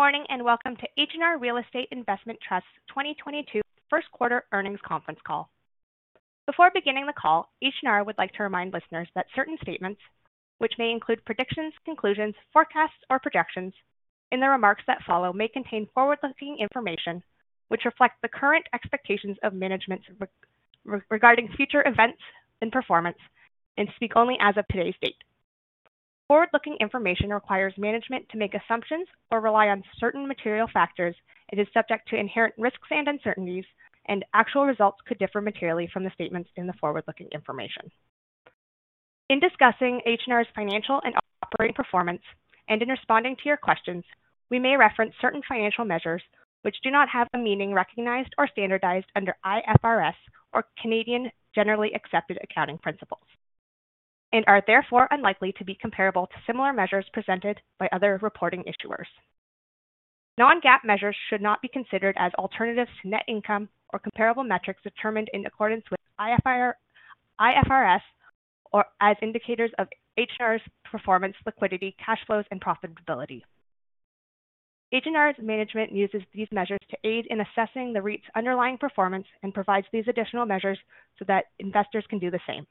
Good morning, and welcome to H&R Real Estate Investment Trust's 2022 Q1 earnings conference call. Before beginning the call, H&R would like to remind listeners that certain statements, which may include predictions, conclusions, forecasts, or projections in the remarks that follow may contain forward-looking information which reflects the current expectations of management regarding future events and performance and speak only as of today's date. Forward-looking information requires management to make assumptions or rely on certain material factors. It is subject to inherent risks and uncertainties, and actual results could differ materially from the statements in the forward-looking information. In discussing H&R's financial and operating performance, and in responding to your questions, we may reference certain financial measures which do not have a meaning recognized or standardized under IFRS or Canadian generally accepted accounting principles and are therefore unlikely to be comparable to similar measures presented by other reporting issuers. Non-GAAP measures should not be considered as alternatives to net income or comparable metrics determined in accordance with IFRS, or as indicators of H&R's performance, liquidity, cash flows, and profitability. H&R's management uses these measures to aid in assessing the REIT's underlying performance and provides these additional measures so that investors can do the same.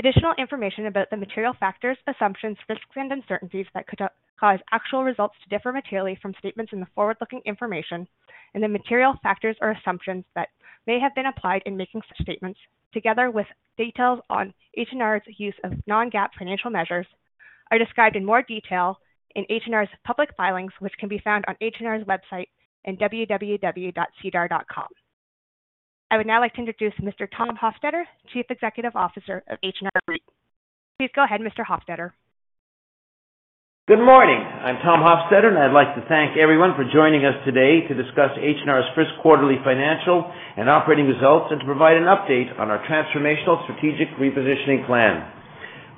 Additional information about the material factors, assumptions, risks, and uncertainties that could cause actual results to differ materially from statements in the forward-looking information and the material factors or assumptions that may have been applied in making such statements, together with details on H&R's use of non-GAAP financial measures, are described in more detail in H&R's public filings, which can be found on H&R's website and www.sedar.com. I would now like to introduce Mr. Tom Hofstedter, Chief Executive Officer of H&R REIT. Please go ahead, Mr. Hofstedter. Good morning. I'm Tom Hofstedter, and I'd like to thank everyone for joining us today to discuss H&R's first quarterly financial and operating results and to provide an update on our transformational strategic repositioning plan.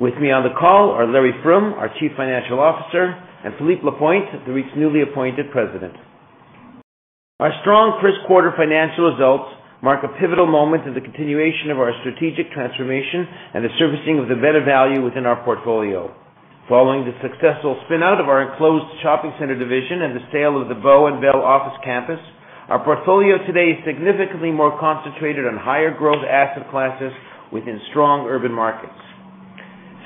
With me on the call are Larry Froom, our Chief Financial Officer, and Philippe Lapointe, the REIT's newly appointed President. Our strong Q1 financial results mark a pivotal moment in the continuation of our strategic transformation and the servicing of the better value within our portfolio. Following the successful spin-out of our enclosed shopping center division and the sale of the Bow and Bell office campus, our portfolio today is significantly more concentrated on higher growth asset classes within strong urban markets.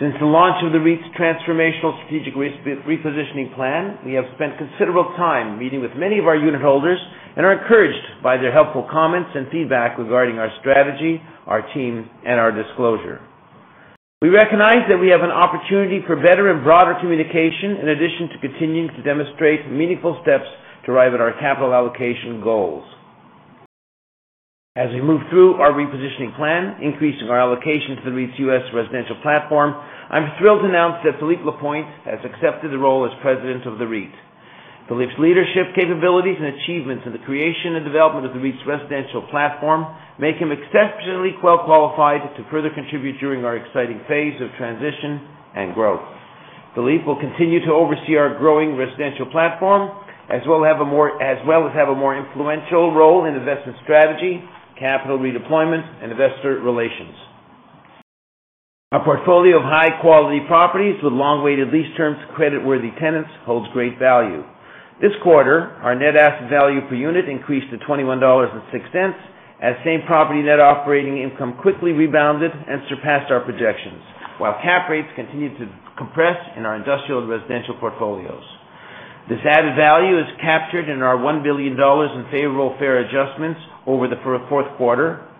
Since the launch of the REIT's transformational strategic repositioning plan, we have spent considerable time meeting with many of our unitholders and are encouraged by their helpful comments and feedback regarding our strategy, our team, and our disclosure. We recognize that we have an opportunity for better and broader communication in addition to continuing to demonstrate meaningful steps to arrive at our capital allocation goals. As we move through our repositioning plan, increasing our allocation to the REIT's U.S. residential platform, I'm thrilled to announce that Philippe Lapointe has accepted the role as president of the REIT. Philippe's leadership capabilities and achievements in the creation and development of the REIT's residential platform make him exceptionally well qualified to further contribute during our exciting phase of transition and growth. Philippe will continue to oversee our growing residential platform, as well as have a more influential role in investment strategy, capital redeployment, and investor relations. Our portfolio of high-quality properties with long-weighted lease terms, credit-worthy tenants holds great value. This quarter, our net asset value per unit increased to 21.06 dollars, as same property net operating income quickly rebounded and surpassed our projections, while cap rates continued to compress in our industrial and residential portfolios. This added value is captured in our 1 billion dollars in favorable fair adjustments over the Q4,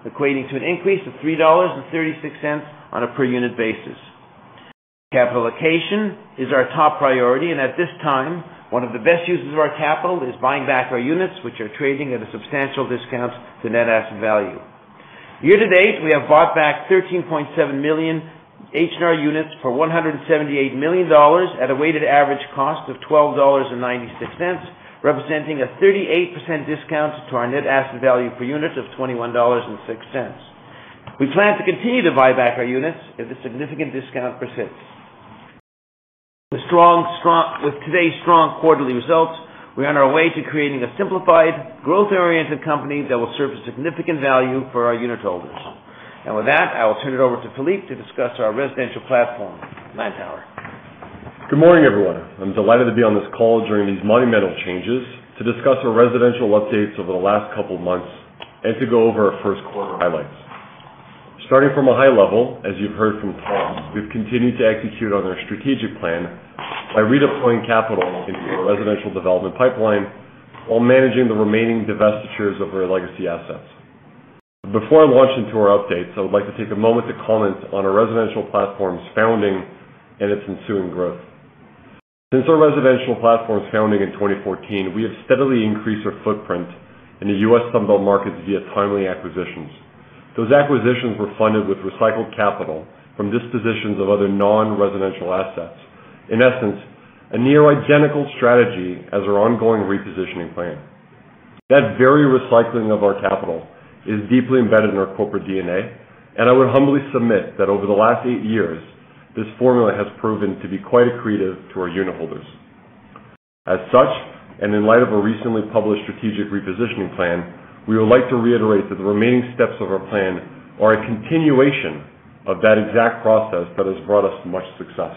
equating to an increase of 3.36 dollars on a per unit basis. Capital allocation is our top priority, and at this time, one of the best uses of our capital is buying back our units, which are trading at a substantial discount to net asset value. Year to date, we have bought back 13.7 million H&R units for 178 million dollars at a weighted average cost of 12.96 dollars, representing a 38% discount to our net asset value per unit of 21.06 dollars. We plan to continue to buy back our units if a significant discount persists. With today's strong quarterly results, we're on our way to creating a simplified, growth-oriented company that will serve significant value for our unitholders. With that, I will turn it over to Philippe Lapointe to discuss our residential platform. Good morning, everyone. I'm delighted to be on this call during these monumental changes to discuss our residential updates over the last couple of months and to go over our Q1 highlights. Starting from a high level, as you've heard from Tom, we've continued to execute on our strategic plan by redeploying capital into our residential development pipeline while managing the remaining divestitures of our legacy assets. Before I launch into our updates, I would like to take a moment to comment on our residential platform's founding and its ensuing growth. Since our residential platform's founding in 2014, we have steadily increased our footprint in the U.S. Sunbelt markets via timely acquisitions. Those acquisitions were funded with recycled capital from dispositions of other non-residential assets. In essence, a near-identical strategy as our ongoing repositioning plan. That very recycling of our capital is deeply embedded in our corporate DNA, and I would humbly submit that over the last eight years, this formula has proven to be quite accretive to our unitholders. As such, and in light of a recently published strategic repositioning plan, we would like to reiterate that the remaining steps of our plan are a continuation of that exact process that has brought us much success.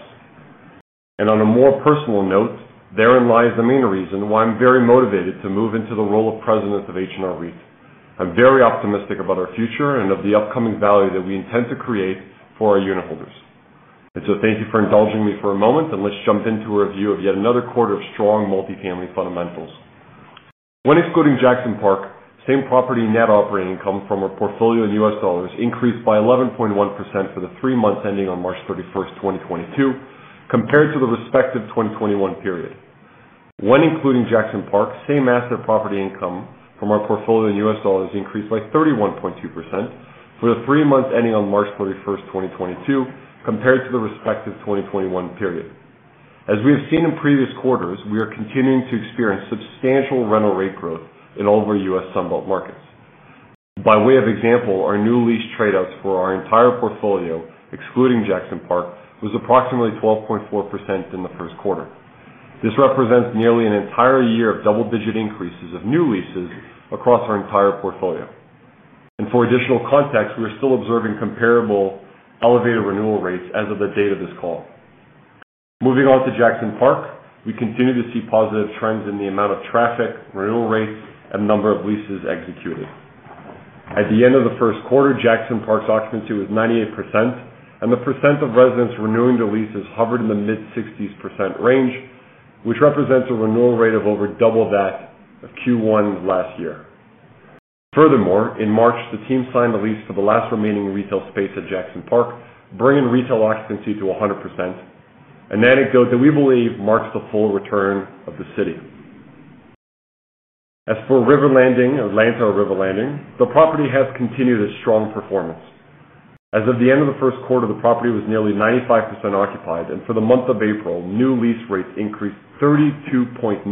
On a more personal note, therein lies the main reason why I'm very motivated to move into the role of President of H&R REIT. I'm very optimistic about our future and of the upcoming value that we intend to create for our unitholders. Thank you for indulging me for a moment, and let's jump into a review of yet another quarter of strong multifamily fundamentals. When excluding Jackson Park, same-property net operating income from our portfolio in U.S. dollars increased by 11.1% for the three months ending on March 31, 2022, compared to the respective 2021 period. When including Jackson Park, same-property net operating income from our portfolio in U.S. dollars increased by 31.2% for the three months ending on March 31, 2022, compared to the respective 2021 period. We have seen in previous quarters, we are continuing to experience substantial rental rate growth in all of our U.S. Sun Belt markets. By way of example, our new lease trade outs for our entire portfolio, excluding Jackson Park, was approximately 12.4% in the Q1. This represents nearly an entire year of double-digit increases of new leases across our entire portfolio. For additional context, we are still observing comparable elevated renewal rates as of the date of this call. Moving on to Jackson Park, we continue to see positive trends in the amount of traffic, renewal rates, and number of leases executed. At the end of the Q1, Jackson Park's occupancy was 98%, and the percent of residents renewing their leases hovered in the mid-60s% range, which represents a renewal rate of over double that of Q1 last year. Furthermore, in March, the team signed the lease for the last remaining retail space at Jackson Park, bringing retail occupancy to 100%. An anecdote that we believe marks the full return of the city. As for River Landing, or Lantower River Landing, the property has continued its strong performance. As of the end of the Q1, the property was nearly 95% occupied, and for the month of April, new lease rates increased 32.9%,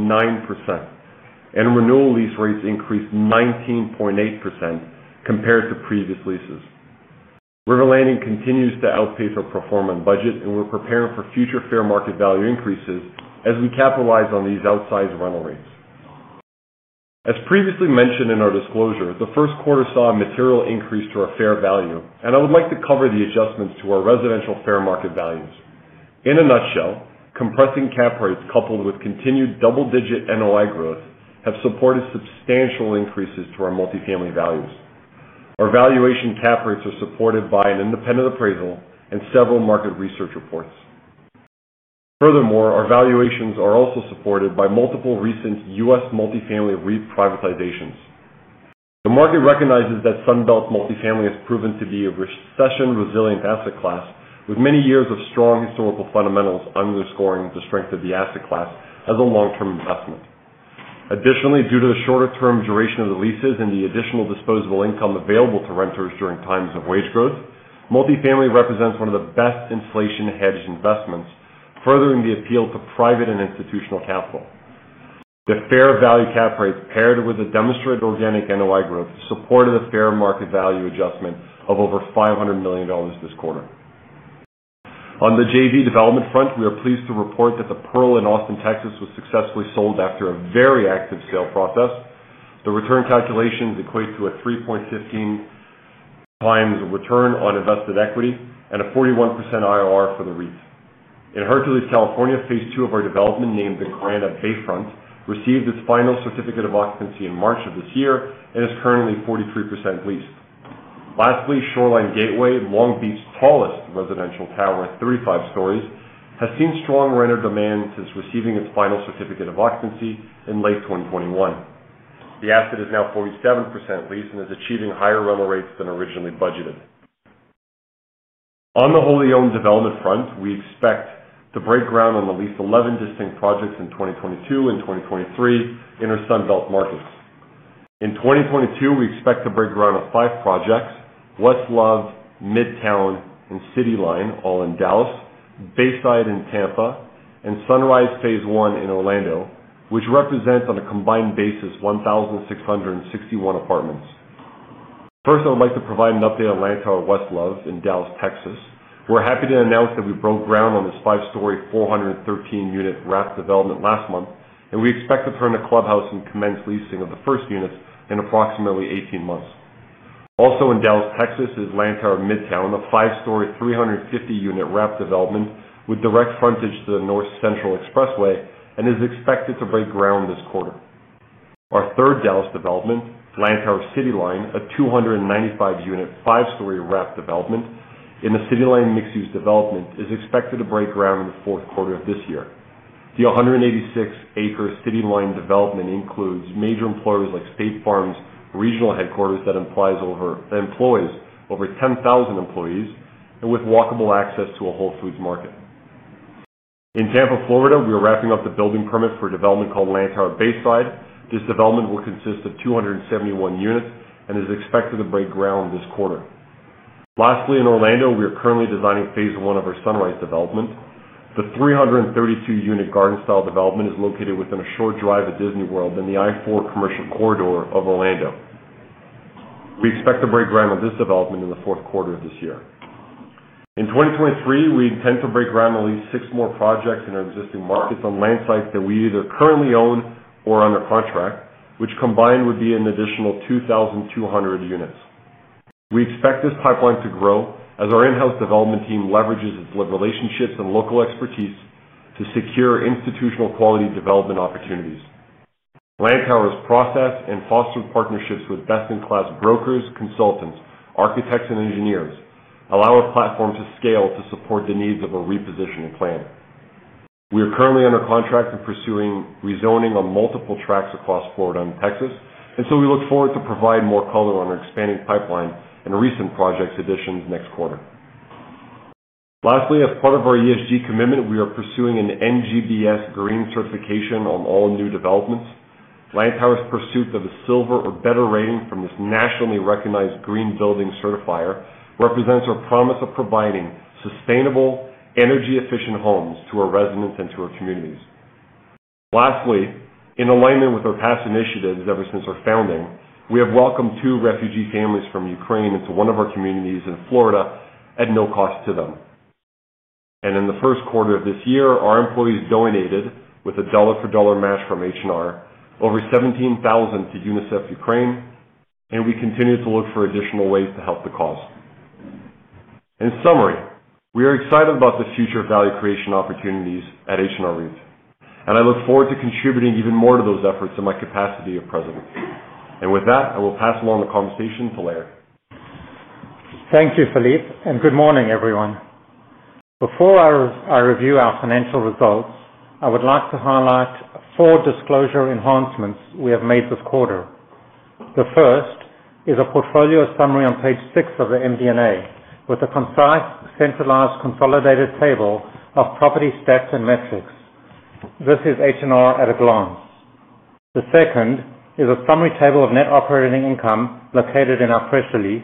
and renewal lease rates increased 19.8% compared to previous leases. River Landing continues to outpace our pro forma budget, and we're preparing for future fair market value increases as we capitalize on these outsized rental rates. As previously mentioned in our disclosure, the Q1 saw a material increase to our fair value, and I would like to cover the adjustments to our residential fair market values. In a nutshell, compressing cap rates coupled with continued double-digit NOI growth have supported substantial increases to our multifamily values. Our valuation cap rates are supported by an independent appraisal and several market research reports. Furthermore, our valuations are also supported by multiple recent U.S. multifamily REIT privatizations. The market recognizes that Sun Belt multifamily has proven to be a recession-resilient asset class with many years of strong historical fundamentals underscoring the strength of the asset class as a long-term investment. Additionally, due to the shorter-term duration of the leases and the additional disposable income available to renters during times of wage growth, multifamily represents one of the best inflation-hedged investments, furthering the appeal to private and institutional capital. The fair value cap rates paired with the demonstrated organic NOI growth supported a fair market value adjustment of over $500 million this quarter. On the JV development front, we are pleased to report that The Pearl in Austin, Texas, was successfully sold after a very active sale process. The return calculations equate to a 3.15 times return on invested equity and a 41% IRR for the REIT. In Hercules, California, phase two of our development, named The Grand at Bayfront, received its final certificate of occupancy in March of this year and is currently 43% leased. Lastly, Shoreline Gateway, Long Beach's tallest residential tower at 35 stories, has seen strong renter demand since receiving its final certificate of occupancy in late 2021. The asset is now 47% leased and is achieving higher rental rates than originally budgeted. On the wholly-owned development front, we expect to break ground on at least 11 distinct projects in 2022 and 2023 in our Sun Belt markets. In 2022, we expect to break ground on 5 projects, West Love, Midtown, and CityLine, all in Dallas, Bayside in Tampa, and Sunrise phase one in Orlando, which represents, on a combined basis, 1,661 apartments. First, I would like to provide an update on Lantower West Love in Dallas, Texas. We're happy to announce that we broke ground on this five-story, 413-unit wrap development last month, and we expect to turn the clubhouse and commence leasing of the first units in approximately 18 months. Also in Dallas, Texas, is Lantower Midtown, a five-story, 350-unit wrap development with direct frontage to the North Central Expressway and is expected to break ground this quarter. Our third Dallas development, Lantower CityLine, a 295-unit, five-story wrap development in the CityLine mixed-use development, is expected to break ground in the Q4 of this year. The 186-acre CityLine development includes major employers like State Farm's regional headquarters that employs over 10,000 employees and with walkable access to a Whole Foods Market. In Tampa, Florida, we are wrapping up the building permit for a development called Lantower Bayside. This development will consist of 271 units and is expected to break ground this quarter. Lastly, in Orlando, we are currently designing phase one of our Sunrise development. The 332-unit garden-style development is located within a short drive of Disney World in the I-4 commercial corridor of Orlando. We expect to break ground on this development in the Q4 of this year. In 2023, we intend to break ground on at least 6 more projects in our existing markets on land sites that we either currently own or under contract, which combined would be an additional 2,200 units. We expect this pipeline to grow as our in-house development team leverages its relationships and local expertise to secure institutional quality development opportunities. Lantower's process and fostered partnerships with best in class brokers, consultants, architects, and engineers allow our platform to scale to support the needs of a repositioning plan. We are currently under contract and pursuing rezoning on multiple tracts across Florida and Texas, and so we look forward to provide more color on our expanding pipeline and recent project additions next quarter. Lastly, as part of our ESG commitment, we are pursuing an NGBS Green certification on all new developments. Lantower's pursuit of a silver or better rating from this nationally recognized green building certifier represents our promise of providing sustainable, energy-efficient homes to our residents and to our communities. Lastly, in alignment with our past initiatives, ever since our founding, we have welcomed two refugee families from Ukraine into one of our communities in Florida at no cost to them. In the Q1 of this year, our employees donated, with a dollar for dollar match from H&R, over 17,000 to UNICEF Ukraine, and we continue to look for additional ways to help the cause. In summary, we are excited about the future value creation opportunities at H&R REIT, and I look forward to contributing even more to those efforts in my capacity of president. With that, I will pass along the conversation to Larry. Thank you, Philippe, and good morning, everyone. Before I review our financial results, I would like to highlight 4 disclosure enhancements we have made this quarter. The first is a portfolio summary on page 6 of the MD&A, with a concise, centralized, consolidated table of property stats and metrics. This is H&R at a glance. The second is a summary table of net operating income located in our press release.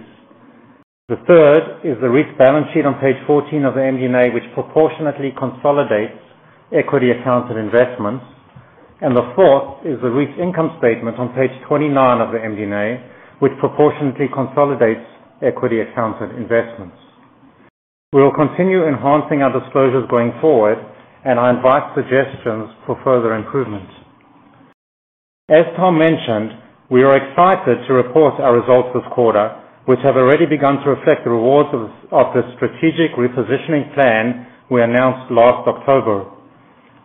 The third is the REIT's balance sheet on page 14 of the MD&A, which proportionately consolidates equity accounted investments. The fourth is the REIT's income statement on page 29 of the MD&A, which proportionately consolidates equity accounted investments. We will continue enhancing our disclosures going forward, and I invite suggestions for further improvements. As Tom mentioned, we are excited to report our results this quarter, which have already begun to reflect the rewards of the strategic repositioning plan we announced last October.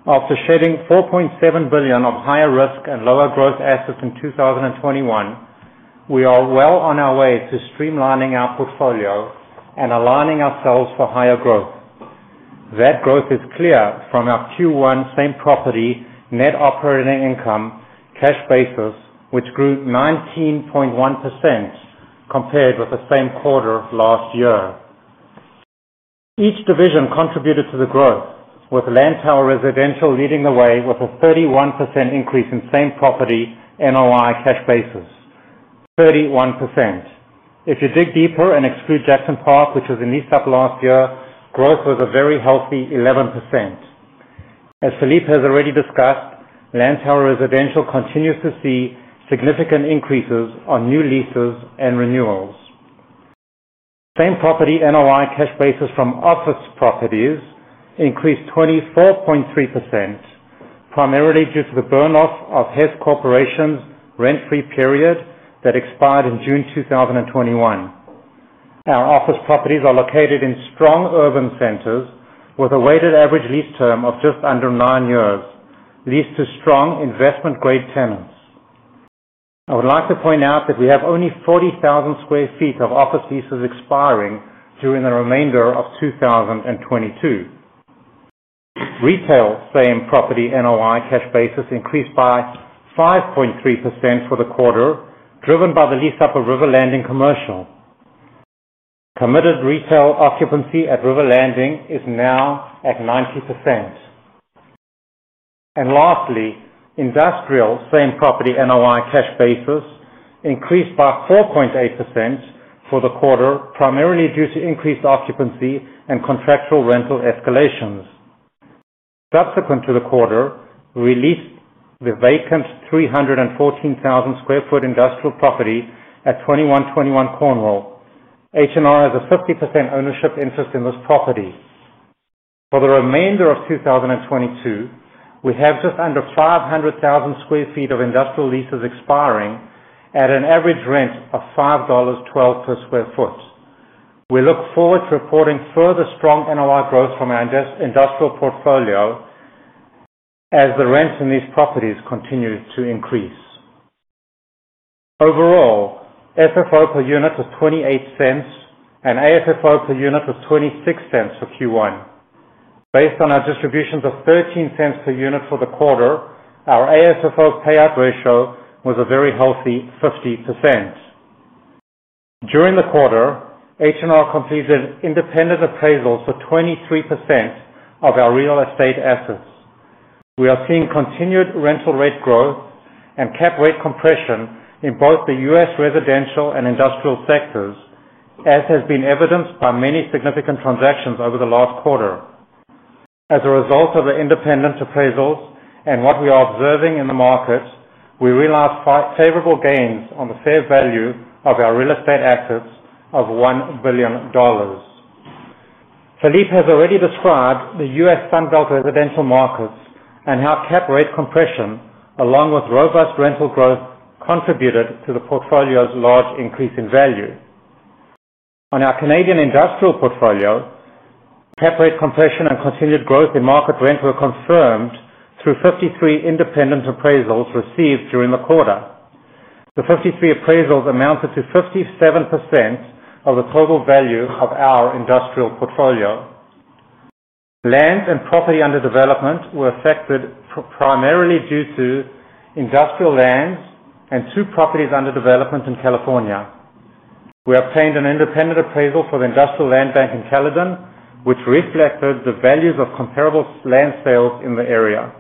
After shedding 4.7 billion of higher risk and lower growth assets in 2021, we are well on our way to streamlining our portfolio and aligning ourselves for higher growth. That growth is clear from our Q1 same property net operating income cash basis, which grew 19.1% compared with the same quarter of last year. Each division contributed to the growth, with Lantower Residential leading the way with a 31% increase in same property NOI cash basis. If you dig deeper and exclude Jackson Park, which was in lease up last year, growth was a very healthy 11%. As Philippe has already discussed, Lantower Residential continues to see significant increases on new leases and renewals. Same property NOI cash basis from office properties increased 24.3%, primarily due to the burn off of Hess Corporation's rent-free period that expired in June 2021. Our office properties are located in strong urban centers with a weighted average lease term of just under nine years, leased to strong investment grade tenants. I would like to point out that we have only 40,000 sq ft of office leases expiring during the remainder of 2022. Retail same property NOI cash basis increased by 5.3% for the quarter, driven by the lease up of River Landing Commercial. Committed retail occupancy at River Landing is now at 90%. Lastly, industrial same property NOI cash basis increased by 4.8% for the quarter, primarily due to increased occupancy and contractual rental escalations. Subsequent to the quarter, we leased the vacant 314,000 sq ft industrial property at 2121 Cornwall. H&R has a 50% ownership interest in this property. For the remainder of 2022, we have just under 500,000 sq ft of industrial leases expiring at an average rent of 5.12 dollars per sq ft. We look forward to reporting further strong NOI growth from our industrial portfolio as the rents in these properties continue to increase. Overall, FFO per unit was 0.28 and AFFO per unit was 0.26 for Q1. Based on our distributions of 0.13 per unit for the quarter, our AFFO payout ratio was a very healthy 50%. During the quarter, H&R completed independent appraisals for 23% of our real estate assets. We are seeing continued rental rate growth and cap rate compression in both the U.S. residential and industrial sectors, as has been evidenced by many significant transactions over the last quarter. As a result of the independent appraisals and what we are observing in the market, we realized favorable gains on the fair value of our real estate assets of 1 billion dollars. Philippe has already described the U.S. Sunbelt residential markets and how cap rate compression, along with robust rental growth, contributed to the portfolio's large increase in value. On our Canadian industrial portfolio, cap rate compression and continued growth in market rent were confirmed through 53 independent appraisals received during the quarter. The 53 appraisals amounted to 57% of the total value of our industrial portfolio. Land and property under development were affected primarily due to industrial lands and two properties under development in California. We obtained an independent appraisal for the industrial land bank in Caledon, which reflected the values of comparable land sales in the area.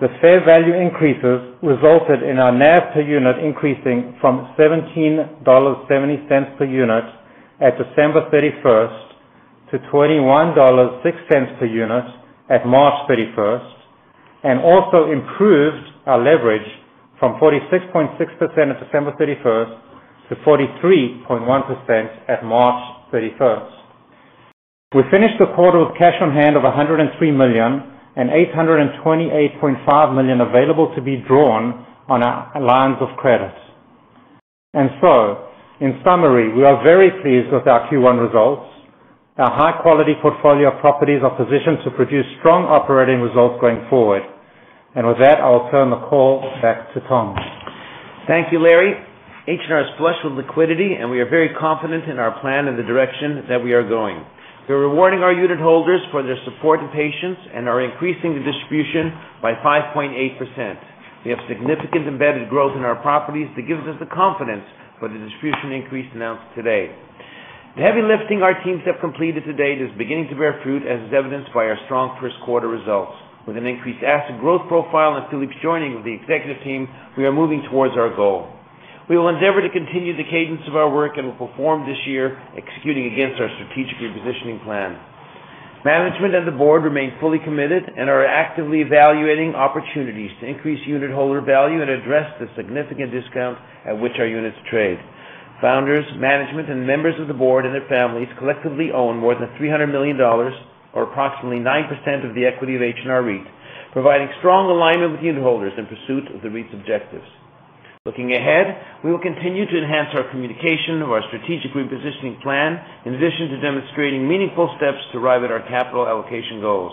The fair value increases resulted in our NAV per unit increasing from 17.70 dollars per unit at December 31st to 21.06 dollars per unit at March 31st, and also improved our leverage from 46.6% on December 31st to 43.1% at March 31st. We finished the quarter with cash on hand of 103 million and 828.5 million available to be drawn on our lines of credit. In summary, we are very pleased with our Q1 results. Our high-quality portfolio properties are positioned to produce strong operating results going forward. With that, I'll turn the call back to Tom. Thank you, Larry. H&R is flush with liquidity, and we are very confident in our plan and the direction that we are going. We're rewarding our unit holders for their support and patience, and are increasing the distribution by 5.8%. We have significant embedded growth in our properties that gives us the confidence for the distribution increase announced today. The heavy lifting our teams have completed to date is beginning to bear fruit, as is evidenced by our strong Q1 results. With an increased asset growth profile and Philippe's joining of the executive team, we are moving towards our goal. We will endeavor to continue the cadence of our work and will perform this year executing against our strategic repositioning plan. Management and the board remain fully committed and are actively evaluating opportunities to increase unit holder value and address the significant discount at which our units trade. Founders, management, and members of the board and their families collectively own more than 300 million dollars or approximately 9% of the equity of H&R REIT, providing strong alignment with unit holders in pursuit of the REIT's objectives. Looking ahead, we will continue to enhance our communication of our strategic repositioning plan, in addition to demonstrating meaningful steps to arrive at our capital allocation goals.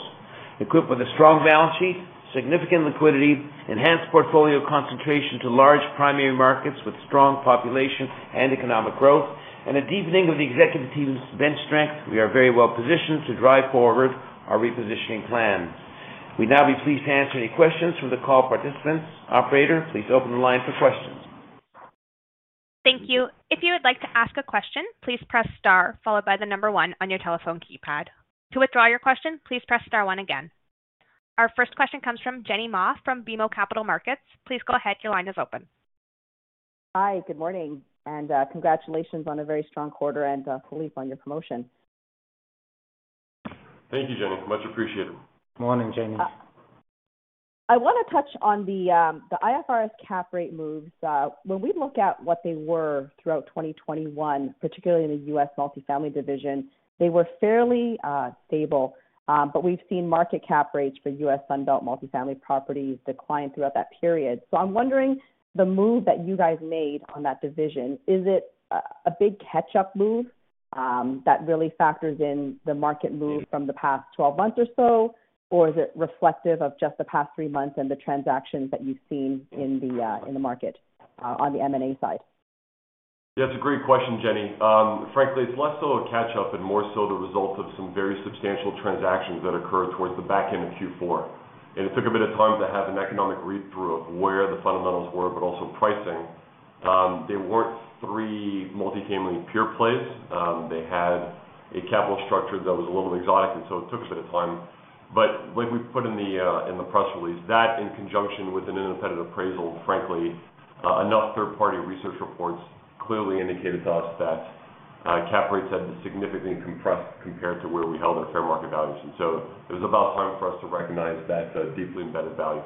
Equipped with a strong balance sheet, significant liquidity, enhanced portfolio concentration to large primary markets with strong population and economic growth, and a deepening of the executive team's bench strength, we are very well positioned to drive forward our repositioning plan. We'd now be pleased to answer any questions from the call participants. Operator, please open the line for questions. Thank you. If you would like to ask a question, please press star followed by the number one on your telephone keypad. To withdraw your question, please press star one again. Our first question comes from Jimmy Ma from BMO Capital Markets. Please go ahead. Your line is open. Hi, good morning, and, congratulations on a very strong quarter and, Philippe, on your promotion. Thank you, Jimmy. Much appreciated. Morning, Jimmy. I wanna touch on the IFRS cap rate moves. When we look at what they were throughout 2021, particularly in the U.S. multifamily division, they were fairly stable. We've seen market cap rates for U.S. Sunbelt multifamily properties decline throughout that period. I'm wondering, the move that you guys made on that division, is it a big catch-up move that really factors in the market move from the past 12 months or so? Or is it reflective of just the past 3 months and the transactions that you've seen in the market on the M&A side? That's a great question, Jimmy. Frankly, it's less so a catch-up and more so the result of some very substantial transactions that occurred towards the back end of Q4. It took a bit of time to have an economic read-through of where the fundamentals were, but also pricing. They weren't three multifamily pure plays. They had a capital structure that was a little exotic, and so it took a bit of time. Like we put in the press release, that in conjunction with an independent appraisal, frankly, enough third-party research reports clearly indicated to us that cap rates had been significantly compressed compared to where we held our fair market valuation. It was about time for us to recognize that deeply embedded value.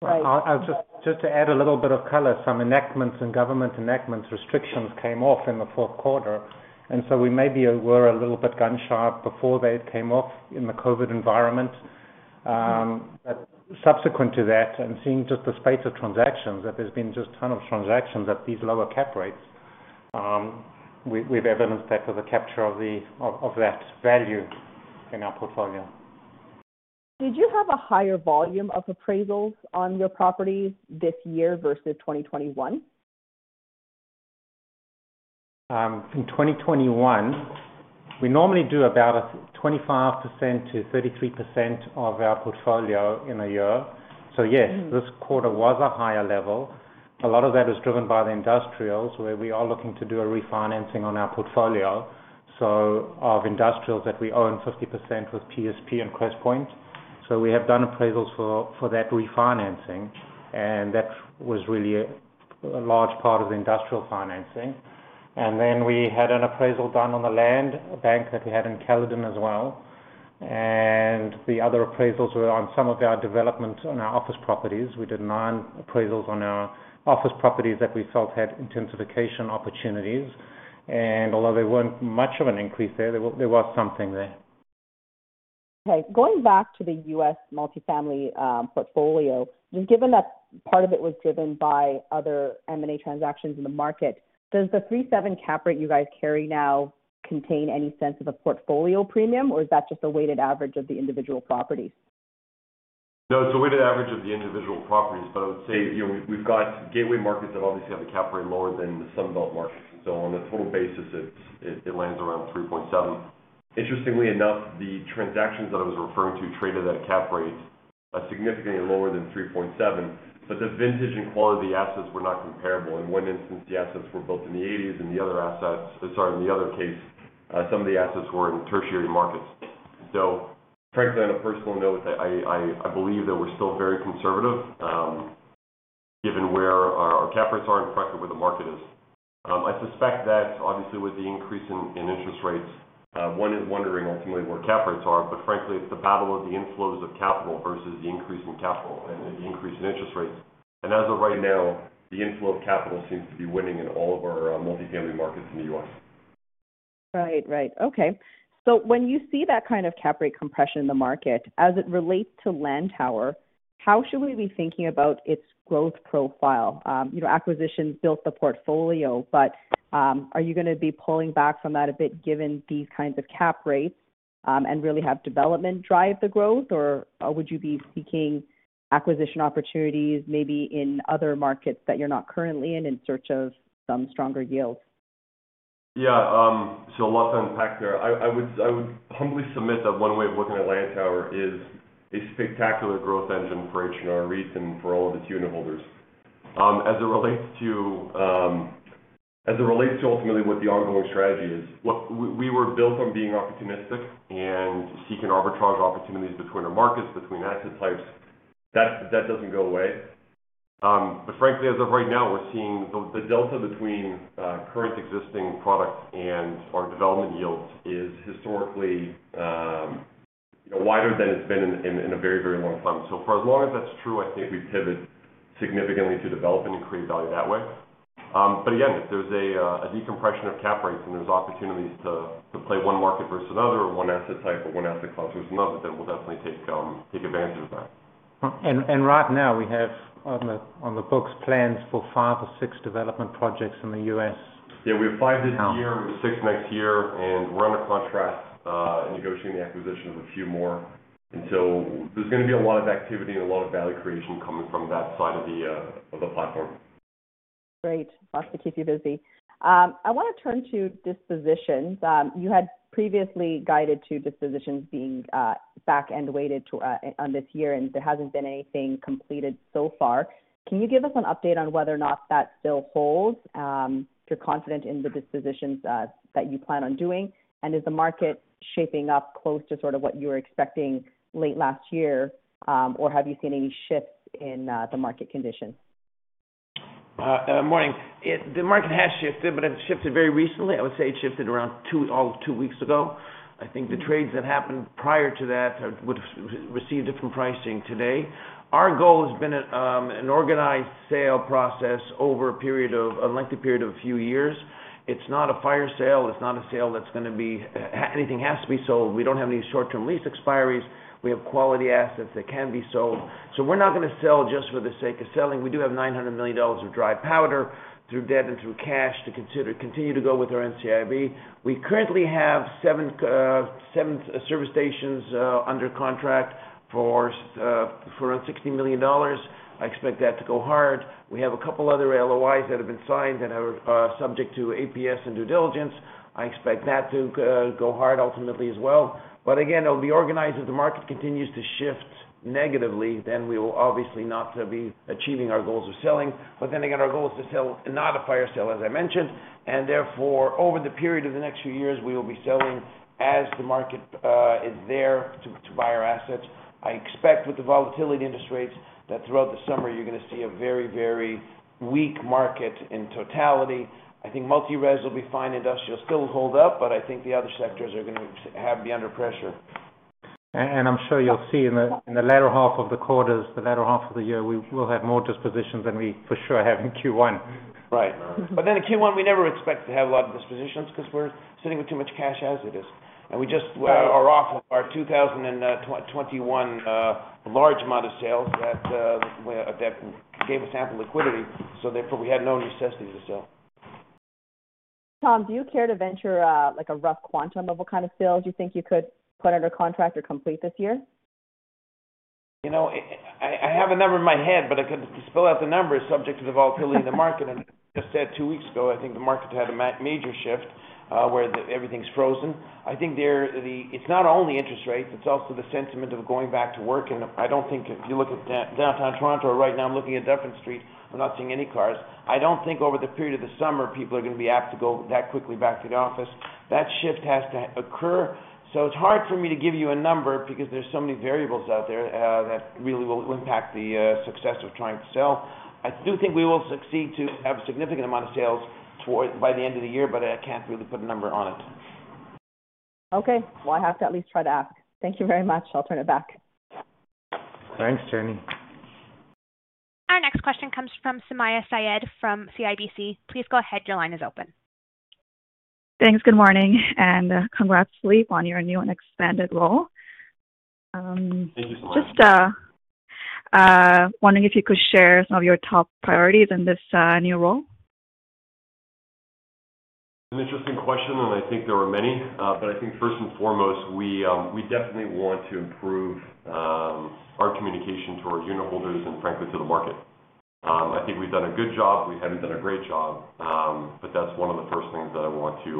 Right- I'll just to add a little bit of color, some lockdowns and government lockdown restrictions came off in the Q4, and so we maybe were a little bit gun-shy before they came off in the COVID environment. Subsequent to that and seeing just the pace of transactions, that there's been just ton of transactions at these lower cap rates, we've evidenced that as a capture of that value in our portfolio. Did you have a higher volume of appraisals on your properties this year versus 2021? In 2021, we normally do about a 25%-33% of our portfolio in a year. Mm. This quarter was a higher level. A lot of that is driven by the industrials, where we are looking to do a refinancing on our portfolio. Of industrials that we own 50% with PSP and Crestpoint. We have done appraisals for that refinancing, and that was really a large part of the industrial financing. Then we had an appraisal done on the land bank that we had in Caledon as well. The other appraisals were on some of our development on our office properties. We did nine appraisals on our office properties that we felt had intensification opportunities. Although there weren't much of an increase there was something there. Okay. Going back to the US multifamily portfolio, just given that part of it was driven by other M&A transactions in the market, does the 3.7 cap rate you guys carry now contain any sense of a portfolio premium, or is that just a weighted average of the individual properties? No, it's a weighted average of the individual properties. I would say we've got gateway markets that obviously have a cap rate lower than the Sun Belt markets. On a total basis, it lands around 3.7. Interestingly enough, the transactions that I was referring to traded at cap rates significantly lower than 3.7, but the vintage and quality of the assets were not comparable. In one instance, the assets were built in the 1980s, and in the other case, some of the assets were in tertiary markets. Frankly, on a personal note, I believe that we're still very conservative, given where our cap rates are and frankly where the market is. I suspect that obviously with the increase in interest rates, one is wondering ultimately where cap rates are, but frankly it's the battle of the inflows of capital versus the increase in capital and the increase in interest rates. As of right now, the inflow of capital seems to be winning in all of our multifamily markets in the U.S.. Right. Okay. When you see that kind of cap rate compression in the market as it relates to Lantower, how should we be thinking about its growth profile? You know, acquisitions built the portfolio, but, are you gonna be pulling back from that a bit given these kinds of cap rates, and really have development drive the growth? Or, would you be seeking acquisition opportunities maybe in other markets that you're not currently in search of some stronger yields? Yeah. So a lot to unpack there. I would humbly submit that one way of looking at Lantower is a spectacular growth engine for H&R REIT and for all of its unitholders. As it relates to ultimately what the ongoing strategy is, what we were built on being opportunistic and seeking arbitrage opportunities between our markets, between asset types. That doesn't go away. But frankly, as of right now, we're seeing the delta between current existing products and our development yields is historically wider than it's been in a very long time. For as long as that's true, I think we pivot significantly to development and create value that way. Again, if there's a decompression of cap rates and there's opportunities to play one market versus another or one asset type or one asset class versus another, then we'll definitely take advantage of that. Right now we have on the books plans for 5 or 6 development projects in the U.S. Yeah. We have five this year. Um- -six next year, and we're under contract and negotiating the acquisition of a few more. There's gonna be a lot of activity and a lot of value creation coming from that side of the platform. Great. Lots to keep you busy. I wanna turn to dispositions. You had previously guided to dispositions being back-end weighted to on this year, and there hasn't been anything completed so far. Can you give us an update on whether or not that still holds? If you're confident in the dispositions that you plan on doing, and is the market shaping up close to sort of what you were expecting late last year, or have you seen any shifts in the market conditions? Morning. The market has shifted, but it shifted very recently. I would say it shifted around 2 weeks ago. I think the trades that happened prior to that would've received different pricing today. Our goal has been an organized sale process over a lengthy period of a few years. It's not a fire sale. It's not a sale that's gonna be anything has to be sold. We don't have any short-term lease expiries. We have quality assets that can be sold, so we're not gonna sell just for the sake of selling. We do have 900 million dollars of dry powder through debt and through cash to continue to go with our NCIB. We currently have 7 service stations under contract for 60 million dollars. I expect that to go hard. We have a couple other LOIs that have been signed and are subject to APS and due diligence. I expect that to go hard ultimately as well. But again, it'll be organized. If the market continues to shift negatively, then we will obviously not be achieving our goals of selling. But then again, our goal is to sell, not a fire sale, as I mentioned, and therefore, over the period of the next few years, we will be selling as the market is there to buy our assets. I expect with the volatility in interest rates that throughout the summer you're gonna see a very, very weak market in totality. I think multi-res will be fine, industrial still hold up, but I think the other sectors are gonna be under pressure. I'm sure you'll see in the latter half of the quarters, the latter half of the year, we will have more dispositions than we for sure have in Q1. Right. In Q1, we never expect to have a lot of dispositions because we're sitting with too much cash as it is. We just were off of our 2021 large amount of sales that gave us ample liquidity, so therefore we had no necessity to sell. Tom, do you care to venture, like a rough quantum of what kind of sales you think you could put under contract or complete this year? You know, I have a number in my head, but to spell out the number is subject to the volatility in the market. I just said two weeks ago, I think the market had a major shift, where everything's frozen. I think it's not only interest rates, it's also the sentiment of going back to work. I don't think if you look at downtown Toronto right now, I'm looking at Dufferin Street, I'm not seeing any cars. I don't think over the period of the summer people are gonna be apt to go that quickly back to the office. That shift has to occur. It's hard for me to give you a number because there's so many variables out there that really will impact the success of trying to sell. I do think we will succeed to have a significant amount of sales by the end of the year, but I can't really put a number on it. Okay, well, I have to at least try to ask. Thank you very much. I'll turn it back. Thanks, Jenny. Our next question comes from Sumayya Syed from CIBC. Please go ahead. Your line is open. Thanks. Good morning and, congrats, Philippe, on your new and expanded role. Thank you, Sumayya. Just wondering if you could share some of your top priorities in this new role? An interesting question, and I think there are many. But I think first and foremost, we definitely want to improve our communication to our unitholders and frankly, to the market. I think we've done a good job. We haven't done a great job, but that's one of the first things that I want to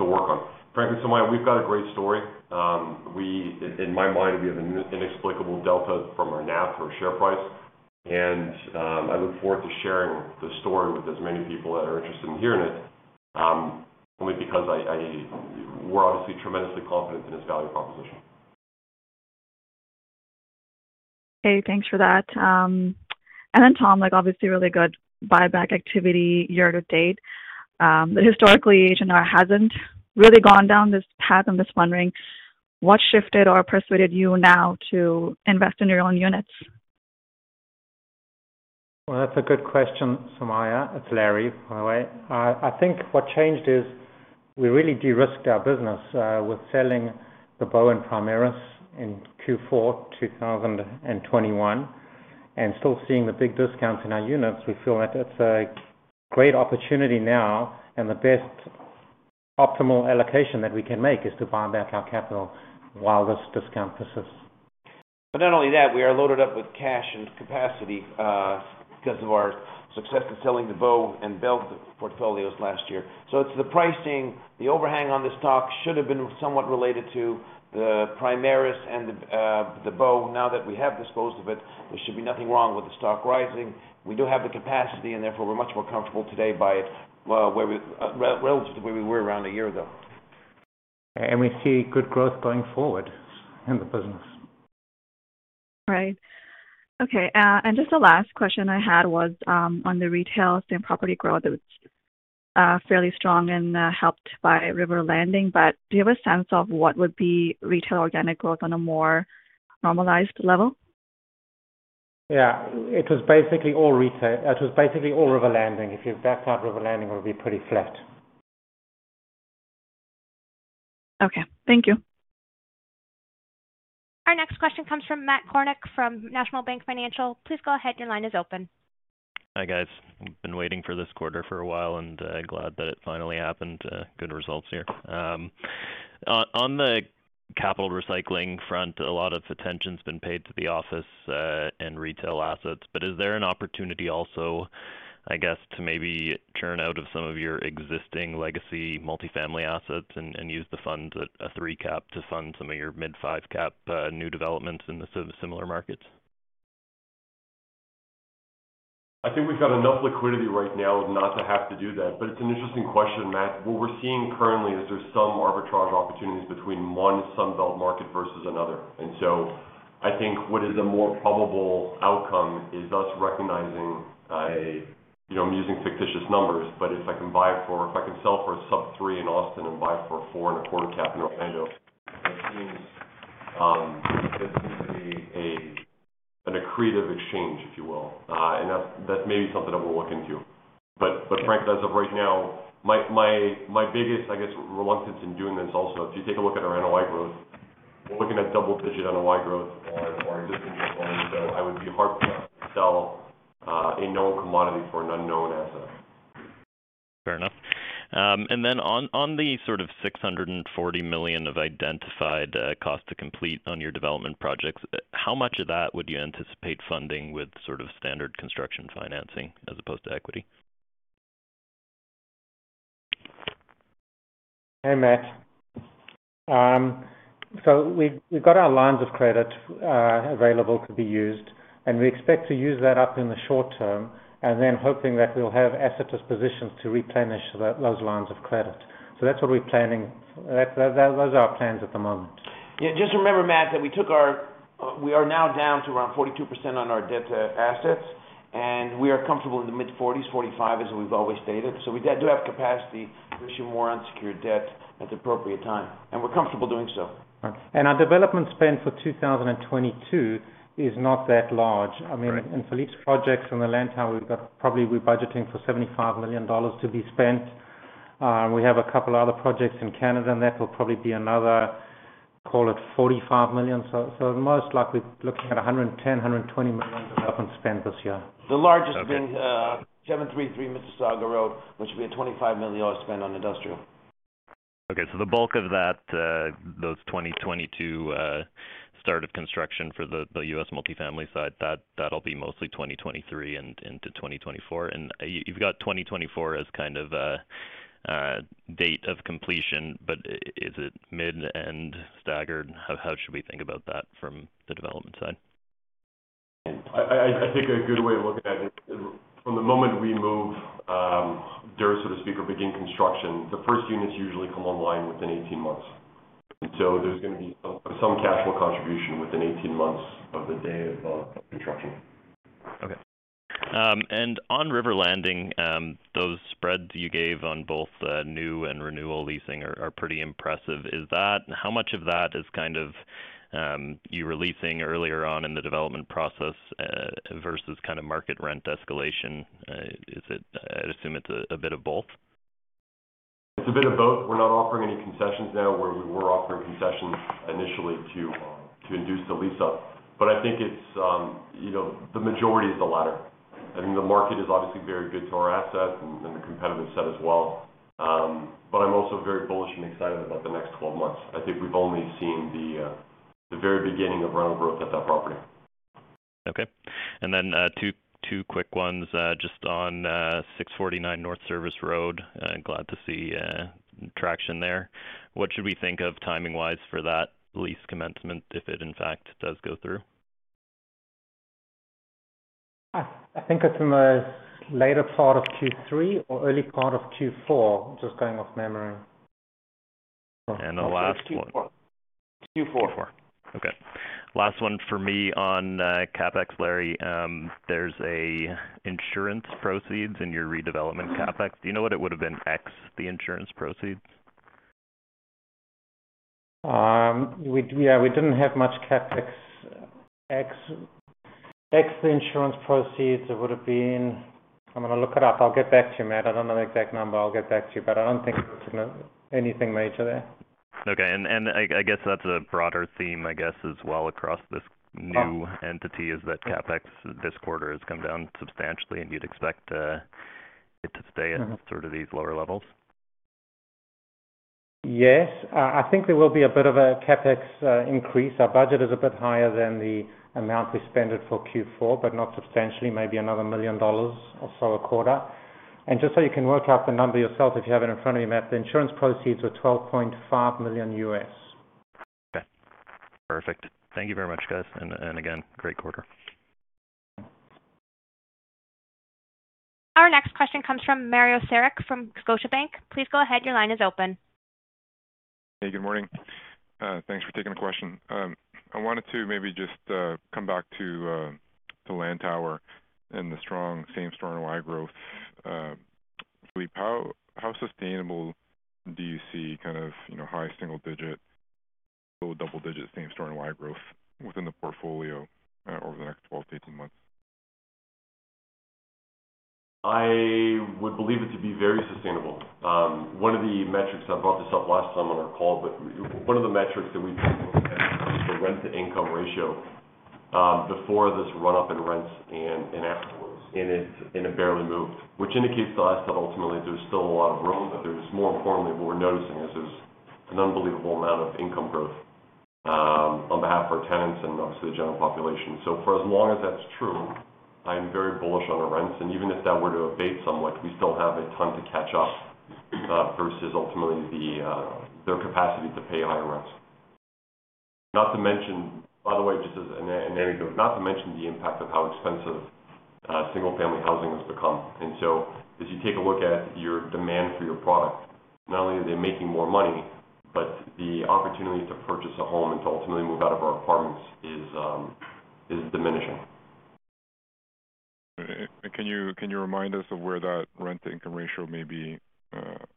work on. Frankly, Sumayya, we've got a great story. In my mind, we have an inexplicable delta from our NAV to our share price. I look forward to sharing the story with as many people that are interested in hearing it, only because we're obviously tremendously confident in this value proposition. Okay, thanks for that. Then Tom, like obviously really good buyback activity year to date. Historically, H&R hasn't really gone down this path. I'm just wondering what shifted or persuaded you now to invest in your own units? Well, that's a good question, Sumayya. It's Larry, by the way. I think what changed is we really de-risked our business, with selling the Bow and Primaris in Q4 2021. Still seeing the big discounts in our units, we feel that it's a great opportunity now, and the best optimal allocation that we can make is to buy back our capital while this discount persists. Not only that, we are loaded up with cash and capacity, because of our success in selling the Bow and Bell portfolios last year. It's the pricing. The overhang on the stock should have been somewhat related to the Primaris and the Bow. Now that we have disposed of it, there should be nothing wrong with the stock rising. We do have the capacity, and therefore, we're much more comfortable today by where we were relative to where we were around a year ago. We see good growth going forward in the business. Right. Okay, just the last question I had was on the retail same-property growth. It's fairly strong and helped by River Landing. Do you have a sense of what would be retail organic growth on a more normalized level? Yeah. It was basically all retail. It was basically all River Landing. If you backed out River Landing, it would be pretty flat. Okay. Thank you. Our next question comes from Matt Kornack from National Bank Financial. Please go ahead. Your line is open. Hi, guys. Been waiting for this quarter for a while, and glad that it finally happened. Good results here. On the capital recycling front, a lot of attention's been paid to the office and retail assets. Is there an opportunity also, I guess, to maybe churn out of some of your existing legacy multifamily assets and use the funds at the recap to fund some of your mid-five cap new developments in the similar markets? I think we've got enough liquidity right now not to have to do that. It's an interesting question, Matt. What we're seeing currently is there's some arbitrage opportunities between one Sunbelt market versus another. I think what is a more probable outcome is us recognizing. You know, I'm using fictitious numbers, but if I can sell for a sub-3 in Austin and buy it for a 4.25 cap in Orlando, that seems an accretive exchange, if you will. That may be something that we'll look into. Frankly, as of right now, my biggest, I guess, reluctance in doing this also, if you take a look at our NOI growth, we're looking at double-digit NOI growth on our existing portfolio. I would be hard-pressed to sell a known commodity for an unknown asset. Fair enough. On the sort of 640 million of identified cost to complete on your development projects, how much of that would you anticipate funding with sort of standard construction financing as opposed to equity? Hey, Matt. We've got our lines of credit available to be used, and we expect to use that up in the short term, and then hoping that we'll have asset dispositions to replenish those lines of credit. That's what we're planning. Those are our plans at the moment. Yeah, just remember, Matt, that we are now down to around 42% on our debt to assets, and we are comfortable in the mid-40s, 45, as we've always stated. We do have capacity to issue more unsecured debt at the appropriate time, and we're comfortable doing so. Our development spend for 2022 is not that large. Correct. I mean, in Philippe's projects on the Lantower, we've got probably we're budgeting for 75 million dollars to be spent. We have a couple other projects in Canada, and that will probably be another, call it 45 million. Most likely looking at 110 million-120 million development spend this year. The largest being, 733 Mississauga Road, which will be a 25 million dollar spend on industrial. Okay. The bulk of that, those 2022 start of construction for the U.S. multifamily side, that'll be mostly 2023 and into 2024. You've got 2024 as kind of a date of completion, but is it mid, end, staggered? How should we think about that from the development side? I think a good way of looking at it, from the moment we move dirt, so to speak, or begin construction, the first units usually come online within 18 months. There's gonna be some cash flow contribution within 18 months of the day of construction. Okay. On River Landing, those spreads you gave on both the new and renewal leasing are pretty impressive. Is that how much of that is kind of you were leasing earlier on in the development process versus kind of market rent escalation? I assume it's a bit of both. It's a bit of both. We're not offering any concessions now where we were offering concessions initially to induce the lease-up. I think it's the majority is the latter. I think the market is obviously very good to our assets and the competitive set as well. I'm also very bullish and excited about the next 12 months. I think we've only seen the very beginning of rental growth at that property. Okay. Two quick ones, just on 649 North Service Road. Glad to see traction there. What should we think of timing-wise for that lease commencement, if it in fact does go through? I think it's in the later part of Q3 or early part of Q4, just going off memory. The last one. I think it's Q4. Q4. Q4. Okay. Last one for me on CapEx, Larry. There's an insurance proceeds in your redevelopment CapEx. Do you know what it would've been ex the insurance proceeds? We didn't have much CapEx. Except the insurance proceeds, it would've been. I'm gonna look it up. I'll get back to you, Matt. I don't know the exact number. I'll get back to you, but I don't think it's anything major there. Okay. I guess that's a broader theme. I guess as well across this new Um- Entity is that CapEx this quarter has come down substantially, and you'd expect it to stay- Mm-hmm. at sort of these lower levels? Yes, I think there will be a bit of a CapEx increase. Our budget is a bit higher than the amount we spent in Q4, but not substantially, maybe another 1 million dollars or so a quarter. Just so you can work out the number yourself if you have it in front of you, Matt, the insurance proceeds were $12.5 million. Okay. Perfect. Thank you very much, guys. Again, great quarter. Our next question comes from Mario Saric from Scotiabank. Please go ahead. Your line is open. Hey, good morning. Thanks for taking the question. I wanted to maybe just come back to Lantower and the strong same-store NOI growth. Philippe, how sustainable do you see kind of high single-digit, low double-digit same-store NOI growth within the portfolio over the next 12-18 months? I would believe it to be very sustainable. One of the metrics, I brought this up last time on our call, but one of the metrics that we've been looking at is the rent-to-income ratio, before this run-up in rents and afterwards. It barely moved, which indicates to us that ultimately there's still a lot of room, but there's more importantly, what we're noticing is there's an unbelievable amount of income growth on behalf of our tenants and obviously the general population. For as long as that's true, I'm very bullish on our rents, and even if that were to abate somewhat, we still have a ton to catch up versus ultimately their capacity to pay higher rents. Not to mention. By the way, just as an anecdote, not to mention the impact of how expensive single-family housing has become. As you take a look at your demand for your product, not only are they making more money, but the opportunity to purchase a home and to ultimately move out of our apartments is diminishing. Can you remind us of where that rent-to-income ratio may be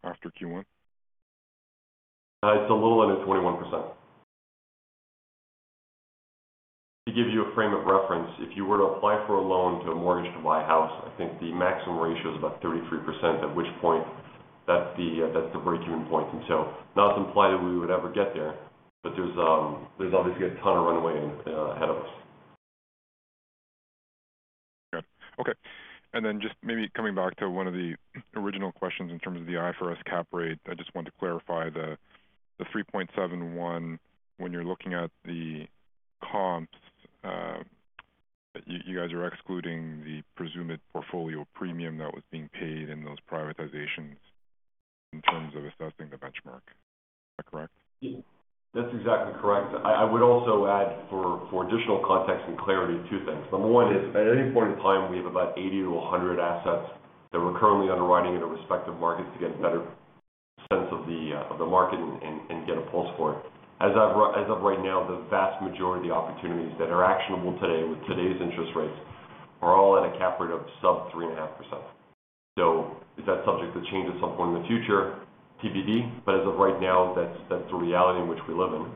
after Q1? It's a little under 21%. To give you a frame of reference, if you were to apply for a loan to a mortgage to buy a house, I think the maximum ratio is about 33%, at which point that's the break-even point. Not to imply that we would ever get there, but there's obviously a ton of runway ahead of us. Okay. Just maybe coming back to one of the original questions in terms of the IFRS cap rate, I just wanted to clarify the 3.71. When you're looking at the comps, you guys are excluding the presumed portfolio premium that was being paid in those privatizations in terms of assessing the benchmark. Is that correct? That's exactly correct. I would also add for additional context and clarity, two things. Number one is, at any point in time, we have about 80-100 assets that we're currently underwriting in the respective markets to get a better sense of the market and get a pulse for it. As of right now, the vast majority of the opportunities that are actionable today with today's interest rates are all at a cap rate of sub 3.5%. Is that subject to change at some point in the future? TBD, but as of right now, that's the reality in which we live in.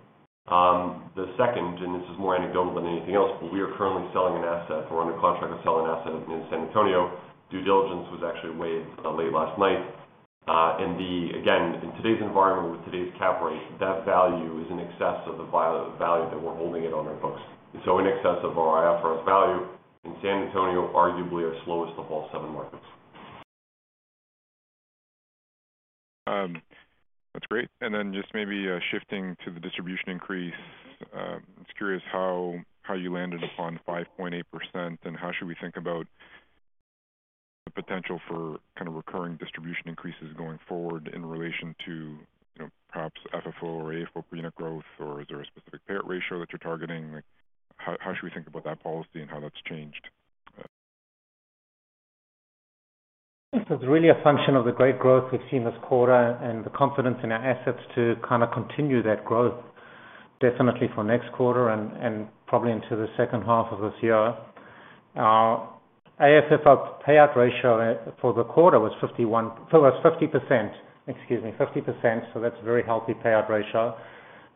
The second, and this is more anecdotal than anything else, but we are currently selling an asset. We're under contract to sell an asset in San Antonio. Due diligence was actually waived late last night. Again, in today's environment with today's cap rate, that value is in excess of the value that we're holding it on our books. It's so in excess of our IFRS value, and San Antonio, arguably our slowest of all seven markets. That's great. Just maybe shifting to the distribution increase. I was curious how you landed upon 5.8%, and how should we think about the potential for kind of recurring distribution increases going forward in relation to perhaps FFO or AFFO per unit growth, or is there a specific payout ratio that you're targeting? Like, how should we think about that policy and how that's changed? This is really a function of the great growth we've seen this quarter and the confidence in our assets to kind of continue that growth definitely for next quarter and probably into the H2 of this year. Our AFFO payout ratio for the quarter was 50%, excuse me, 50%. That's a very healthy payout ratio.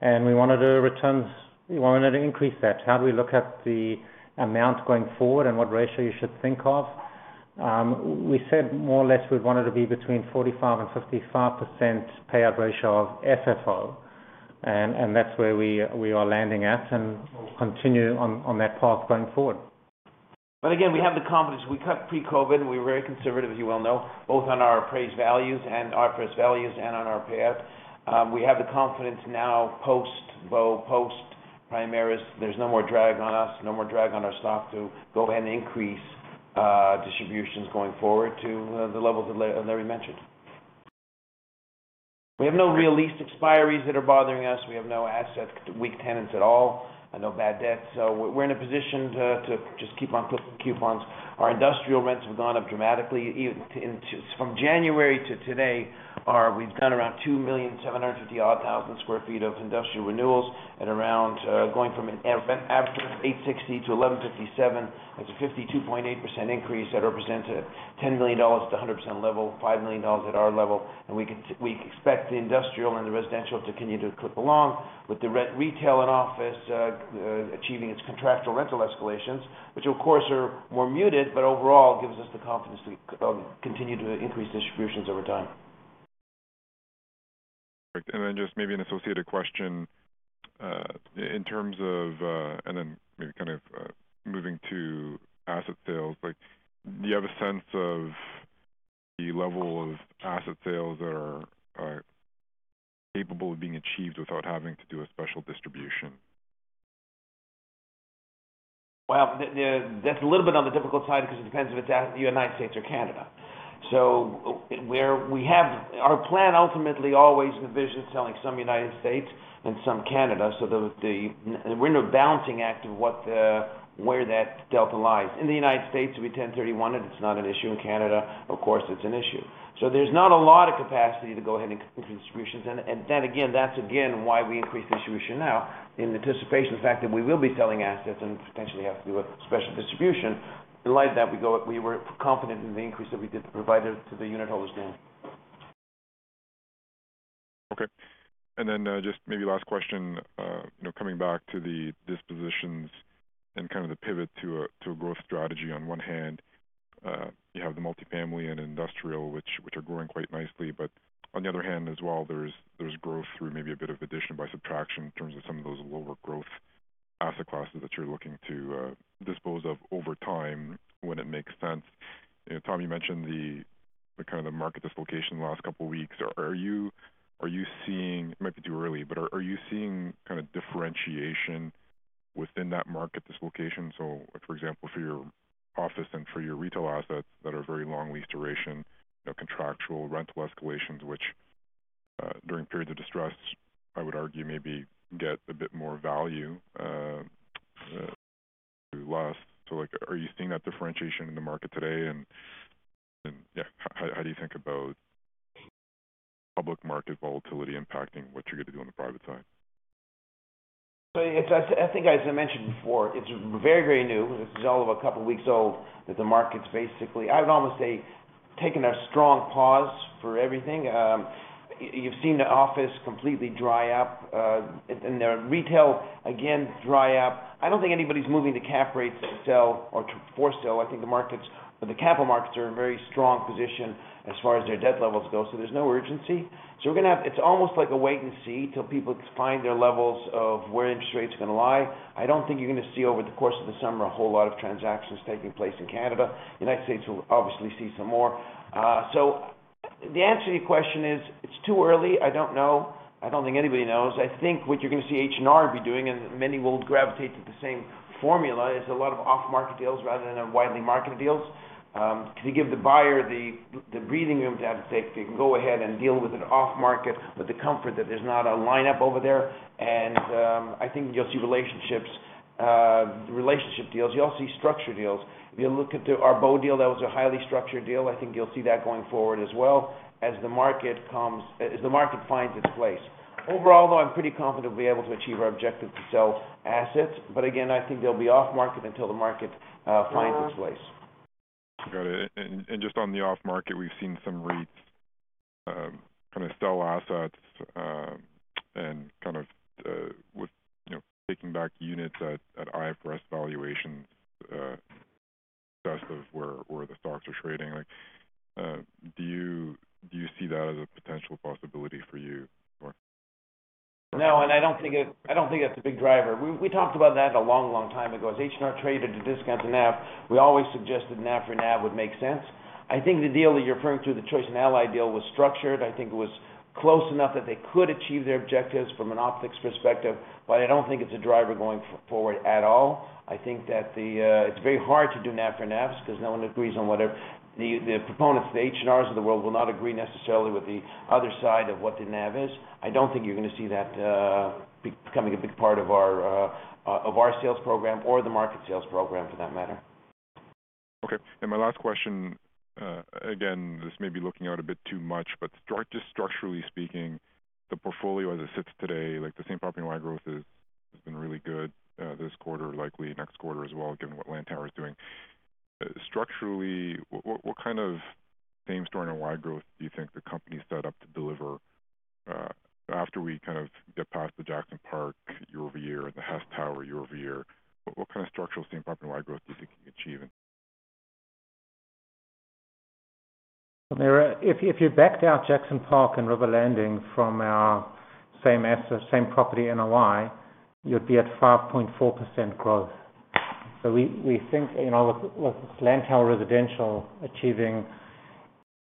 We wanted to increase that. How do we look at the amount going forward and what ratio you should think of? We said more or less we wanted to be between 45%-55% payout ratio of AFFO, and that's where we are landing at, and we'll continue on that path going forward. Again, we have the confidence. We cut pre-COVID. We were very conservative, as you well know, both on our appraised values and our fair values and on our payout. We have the confidence now post Bow, post Primaris. There's no more drag on us, no more drag on our stock to go ahead and increase distributions going forward to the levels that Larry mentioned. We have no real lease expiries that are bothering us. We have no asset with weak tenants at all and no bad debt. We're in a position to just keep on clipping coupons. Our industrial rents have gone up dramatically from January to today. We've done around 2,750,000 sq ft of industrial renewals at around going from an average of 8.60 to 11.57. That's a 52.8% increase. That represents 10 million dollars at a 100% level, 5 million dollars at our level. We expect the industrial and the residential to continue to clip along with the retail and office, achieving its contractual rental escalations, which of course are more muted, but overall gives us the confidence to continue to increase distributions over time. Just maybe an associated question in terms of moving to asset sales. Like, do you have a sense of the level of asset sales that are capable of being achieved without having to do a special distribution? Well, that's a little bit on the difficult side because it depends if it's the United States or Canada. Our plan ultimately always envisions selling some United States and some Canada. We're in a balancing act of where that delta lies. In the United States, we 1031 it. It's not an issue. In Canada, of course, it's an issue. There's not a lot of capacity to go ahead and increase distributions. Then again, that's why we increased the distribution now in anticipation of the fact that we will be selling assets and potentially have to do a special distribution. In light of that, we were confident in the increase that we did provide to the unitholders now. Okay. Then, just maybe last question coming back to the dispositions and kind of the pivot to a growth strategy on one hand. You have the multifamily and industrial which are growing quite nicely. But on the other hand as well, there's growth through maybe a bit of addition by subtraction in terms of some of those lower growth asset classes that you're looking to dispose of over time when it makes sense. You know, Tom, you mentioned the kind of the market dislocation the last couple weeks. Are you seeing? It might be too early, but are you seeing kind of differentiation within that market dislocation? For example, for your office and for your retail assets that are very long lease duration contractual rental escalations, which, during periods of distress, I would argue maybe get a bit more value than maybe last. Like, are you seeing that differentiation in the market today? And yeah, how do you think about public market volatility impacting what you're gonna do on the private side? I think as I mentioned before, it's very, very new. This is all of a couple weeks old that the market's basically, I would almost say, taken a strong pause for everything. You've seen the office completely dry up, and the retail again dry up. I don't think anybody's moving to cap rates to sell or to force sell. I think the capital markets are in very strong position as far as their debt levels go, so there's no urgency. It's almost like a wait and see till people find their levels of where interest rates are gonna lie. I don't think you're gonna see over the course of the summer a whole lot of transactions taking place in Canada. United States will obviously see some more. The answer to your question is it's too early. I don't know. I don't think anybody knows. I think what you're gonna see H&R be doing, and many will gravitate to the same formula, is a lot of off-market deals rather than widely marketed deals, to give the buyer the breathing room to have the safety. You can go ahead and deal with an off-market with the comfort that there's not a lineup over there. I think you'll see relationship deals. You'll see structured deals. If you look at our Bow deal, that was a highly structured deal. I think you'll see that going forward as well as the market finds its place. Overall, though, I'm pretty confident we'll be able to achieve our objective to sell assets, but again, I think they'll be off market until the market finds its place. Got it. Just on the off market, we've seen some REITs kind of sell assets and kind of with you know taking back units at IFRS valuations assessed of where the stocks are trading. Like do you see that as a potential possibility for you going forward? No, I don't think that's a big driver. We talked about that a long, long time ago. As H&R traded at a discount to NAV, we always suggested NAV for NAV would make sense. I think the deal that you're referring to, the Choice and Allied deal, was structured. I think it was close enough that they could achieve their objectives from an optics perspective, but I don't think it's a driver going forward at all. I think that it's very hard to do NAV for NAVs because no one agrees on what the NAV is. The proponents, the H&Rs of the world will not agree necessarily with the other side of what the NAV is. I don't think you're gonna see that becoming a big part of our sales program or the market sales program for that matter. Okay. My last question, again, this may be looking out a bit too much, but just structurally speaking, the portfolio as it sits today, like the same-property NOI growth has been really good, this quarter, likely next quarter as well, given what Lantower is doing. Structurally, what kind of same-store NOI growth do you think the company set up to deliver, after we kind of get past the Jackson Park year-over-year or the Hess Tower year-over-year, what kind of structural same-property NOI growth do you think you can achieve in- If you backed out Jackson Park and River Landing from our same asset, same property NOI, you'd be at 5.4% growth. We think with this Lantower Residential achieving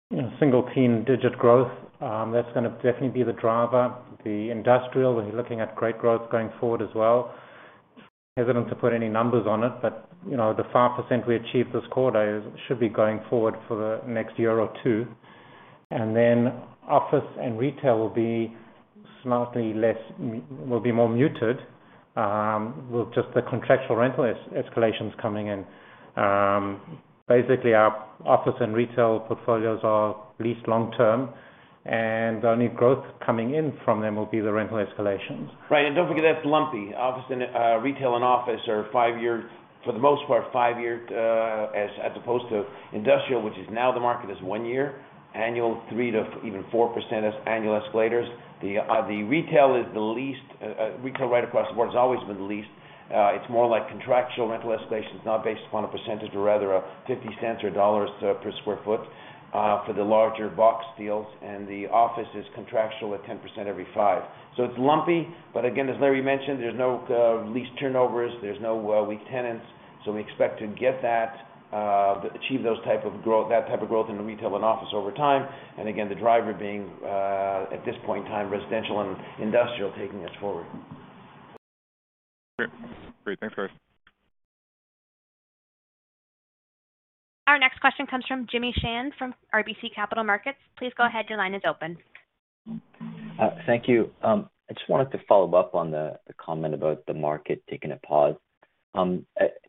mid-teens growth, that's gonna definitely be the driver. The industrial, we're looking at great growth going forward as well. Hesitant to put any numbers on it, but the 5% we achieved this quarter should be going forward for the next year or two. Then office and retail will be slightly less, more muted, with just the contractual rental escalations coming in. Basically, our office and retail portfolios are leased long term, and the only growth coming in from them will be the rental escalations. Right. Don't forget that's lumpy. Office and retail and office are five-year, for the most part, as opposed to industrial, which is now the market one year annual, 3%-4% as annual escalators. The retail is the least, retail right across the board has always been the least. It's more like contractual rental escalations, not based upon a percentage, but rather $0.50 or $1 per sq ft, for the larger box deals. The office is contractual at 10% every five. It's lumpy. Again, as Larry mentioned, there's no lease turnovers. There's no weak tenants. We expect to get that, achieve that type of growth in the retail and office over time. Again, the driver being, at this point in time, residential and industrial taking us forward. Great. Thanks, guys. Our next question comes from Jimmy Shan from RBC Capital Markets. Please go ahead. Your line is open. Thank you. I just wanted to follow up on the comment about the market taking a pause.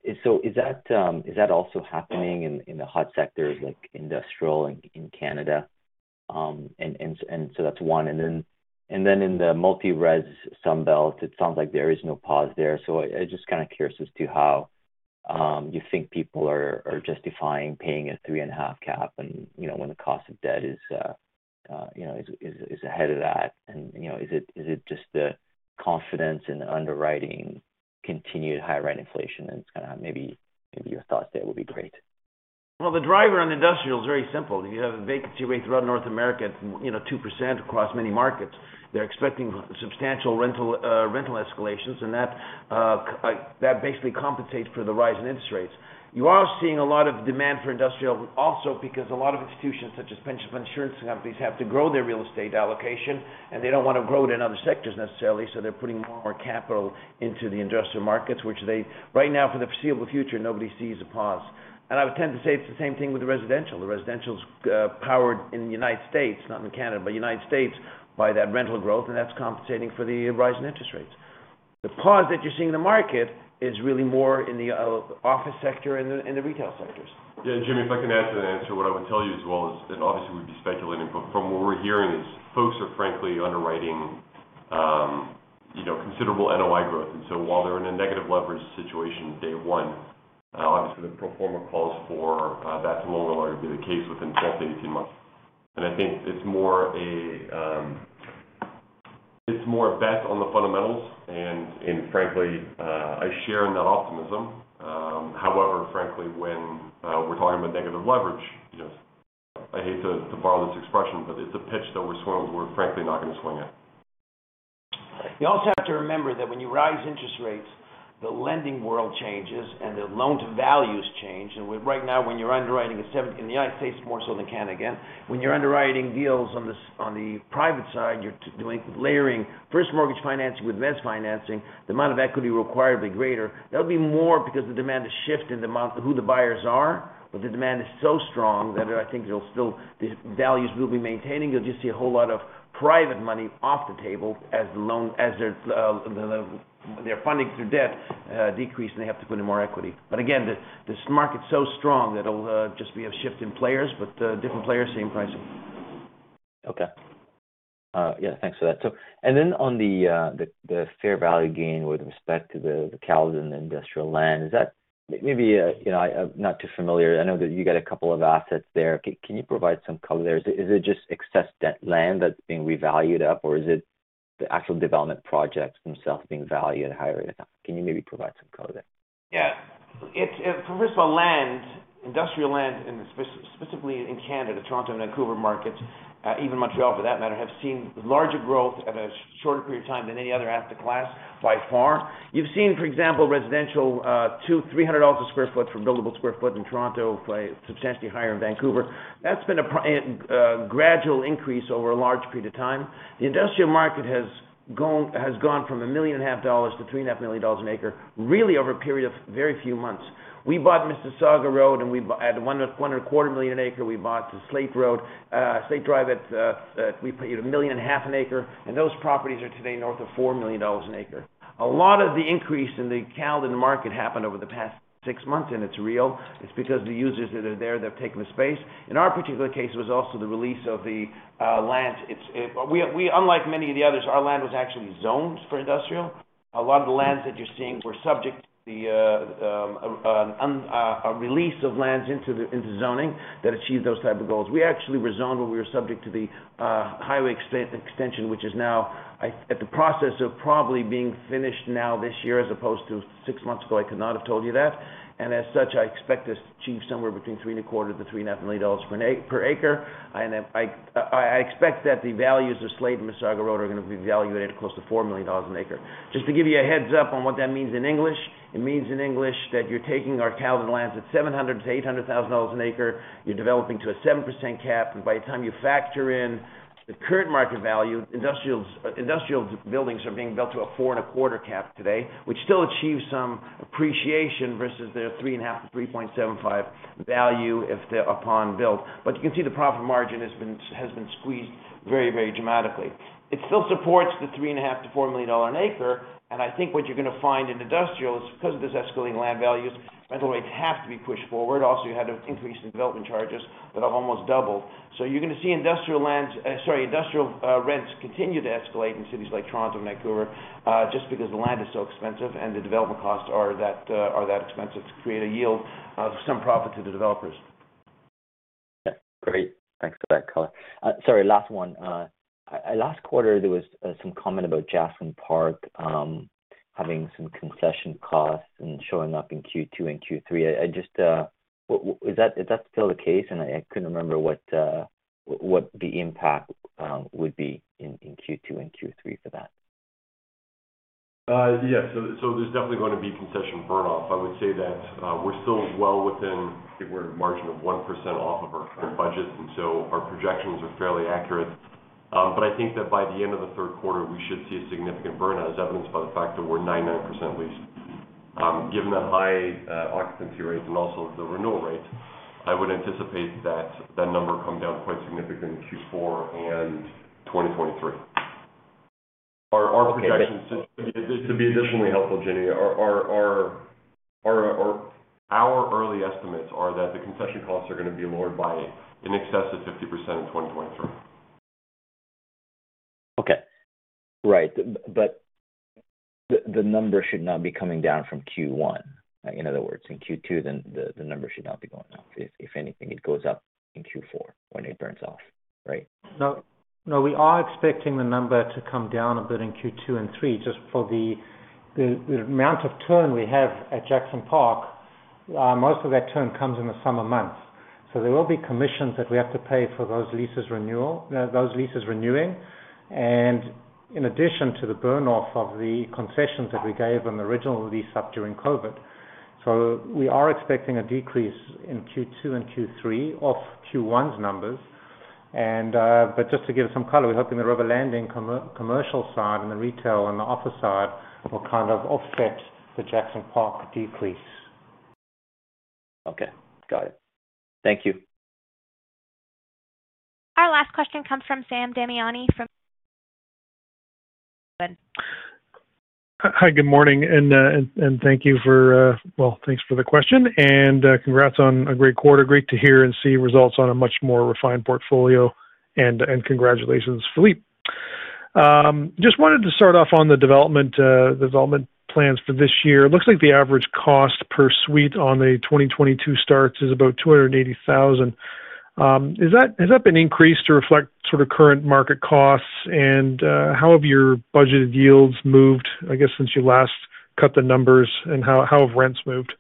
Is that also happening in the hot sectors like industrial in Canada? That's one. Then in the multi-res Sunbelt, it sounds like there is no pause there. I just kind of curious as to how you think people are justifying paying a 3.5 cap and when the cost of debt is ahead of that. You know, is it just the confidence in the underwriting continued high rent inflation? Kind of maybe your thoughts there would be great. Well, the driver on industrial is very simple. You have a vacancy rate throughout North America at 2% across many markets. They're expecting substantial rental escalations, and that basically compensates for the rise in interest rates. You are seeing a lot of demand for industrial also because a lot of institutions, such as pension insurance companies, have to grow their real estate allocation, and they don't wanna grow it in other sectors necessarily, so they're putting more and more capital into the industrial markets, which they, right now for the foreseeable future, nobody sees a pause. I would tend to say it's the same thing with the residential. The residential's powered in the United States, not in Canada, but United States, by that rental growth, and that's compensating for the rise in interest rates. The pause that you're seeing in the market is really more in the office sector and the retail sectors. Yeah. Jimmy, if I can add to the answer, what I would tell you as well is that obviously we'd be speculating, but from what we're hearing is folks are frankly underwriting considerable NOI growth. While they're in a negative leverage situation day one, obviously the pro forma calls for, that's more or less being the case within 12-18 months. I think it's more a bet on the fundamentals and frankly, I share in that optimism. However, frankly, when we're talking about negative leverage I hate to borrow this expression, but it's a pitch that we're frankly not gonna swing at. You also have to remember that when you raise interest rates, the lending world changes and the loan to values change. Right now, when you're underwriting a 7 in the United States more so than Canada again. When you're underwriting deals on the private side, you're doing layering first mortgage financing with mezz financing, the amount of equity required will be greater. That'll be more because the demand has shifted who the buyers are. The demand is so strong that I think the values will be maintaining. You'll just see a whole lot of private money off the table as their funding through debt decrease, and they have to put in more equity. Again, this market's so strong that it'll just be a shift in players, but different players, same pricing. Okay. Yeah, thanks for that. Then on the fair value gain with respect to the Caledon industrial land, is that maybe, I'm not too familiar. I know that you got a couple of assets there. Can you provide some color there? Is it just excess debt land that's being revalued up, or is it the actual development projects themselves being valued at a higher rate of debt? Can you maybe provide some color there? Yeah. It's first of all, land, industrial land in specifically in Canada, Toronto and Vancouver markets, even Montreal for that matter, have seen larger growth at a shorter period of time than any other asset class by far. You've seen, for example, residential, 200-300 a sq ft for buildable sq ft in Toronto, but substantially higher in Vancouver. That's been a gradual increase over a large period of time. The industrial market has gone from 1.5 million to 3.5 million dollars an acre, really over a period of very few months. We bought Mississauga Road at one and a quarter million an acre. We bought Slate Drive at, we paid 1.5 million an acre, and those properties are today north of 4 million dollars an acre. A lot of the increase in the Caledon market happened over the past six months, and it's real. It's because the users that are there, they've taken the space. In our particular case, it was also the release of the land. Unlike many of the others, our land was actually zoned for industrial. A lot of the lands that you're seeing were subject to a release of lands into zoning that achieved those type of goals. We actually rezoned when we were subject to the highway extension, which is now in the process of probably being finished now this year, as opposed to six months ago. I could not have told you that. I expect this to achieve somewhere between 3 and a quarter million to 3 and a half million dollars per acre. I expect that the values of Slate and Mississauga Road are going to be evaluated at close to 4 million dollars an acre. Just to give you a heads up on what that means in English. It means in English that you're taking our Caledon lands at 700 thousand-800 thousand dollars an acre, you're developing to a 7% cap, and by the time you factor in the current market value, industrials buildings are being built to a 4.25% cap today, which still achieves some appreciation versus the 3.5% to 3.75% value upon build. But you can see the profit margin has been squeezed very, very dramatically. It still supports the 3.5 million-4 million dollar an acre. I think what you're going to find in industrial is because of this escalating land values, rental rates have to be pushed forward. Also, you have increased development charges that have almost doubled. You're going to see industrial rents continue to escalate in cities like Toronto and Vancouver, just because the land is so expensive and the development costs are that expensive to create a yield of some profit to the developers. Great. Thanks for that color. Sorry, last one. Last quarter, there was some comment about Jackson Park having some concession costs and showing up in Q2 and Q3. I just, is that still the case? I couldn't remember what the impact would be in Q2 and Q3 for that. Yes. There's definitely going to be concession burn off. I would say that, we're still well within, I think we're in a margin of 1% off of our current budget, and so our projections are fairly accurate. I think that by the end of the Q3, we should see a significant burnout as evidenced by the fact that we're 99% leased. Given the high occupancy rates and also the renewal rates, I would anticipate that that number come down quite significantly in Q4 and 2023. Our projections. Okay. To be additionally helpful, Jenny, our early estimates are that the concession costs are going to be lowered by in excess of 50% in 2023. Okay. Right. The number should not be coming down from Q1. In other words, in Q2, then the number should not be going up. If anything, it goes up in Q4 when it burns off, right? No, no. We are expecting the number to come down a bit in Q2 and Q3, just for the amount of turn we have at Jackson Park. Most of that turn comes in the summer months. There will be commissions that we have to pay for those lease renewals. In addition to the burn off of the concessions that we gave on the original lease up during COVID. We are expecting a decrease in Q2 and Q3 off Q1's numbers. But just to give some color, we're hoping the River Landing commercial side and the retail and the office side will kind of offset the Jackson Park decrease. Okay, got it. Thank you. Our last question comes from Sam Damiani from TD Securities. Hi, good morning. Well, thanks for the question and congrats on a great quarter. Great to hear and see results on a much more refined portfolio. Congratulations, Philippe. Just wanted to start off on the development plans for this year. It looks like the average cost per suite on the 2022 starts is about 280,000. Has that been increased to reflect sort of current market costs? How have your budgeted yields moved, I guess, since you last cut the numbers, and how have rents moved?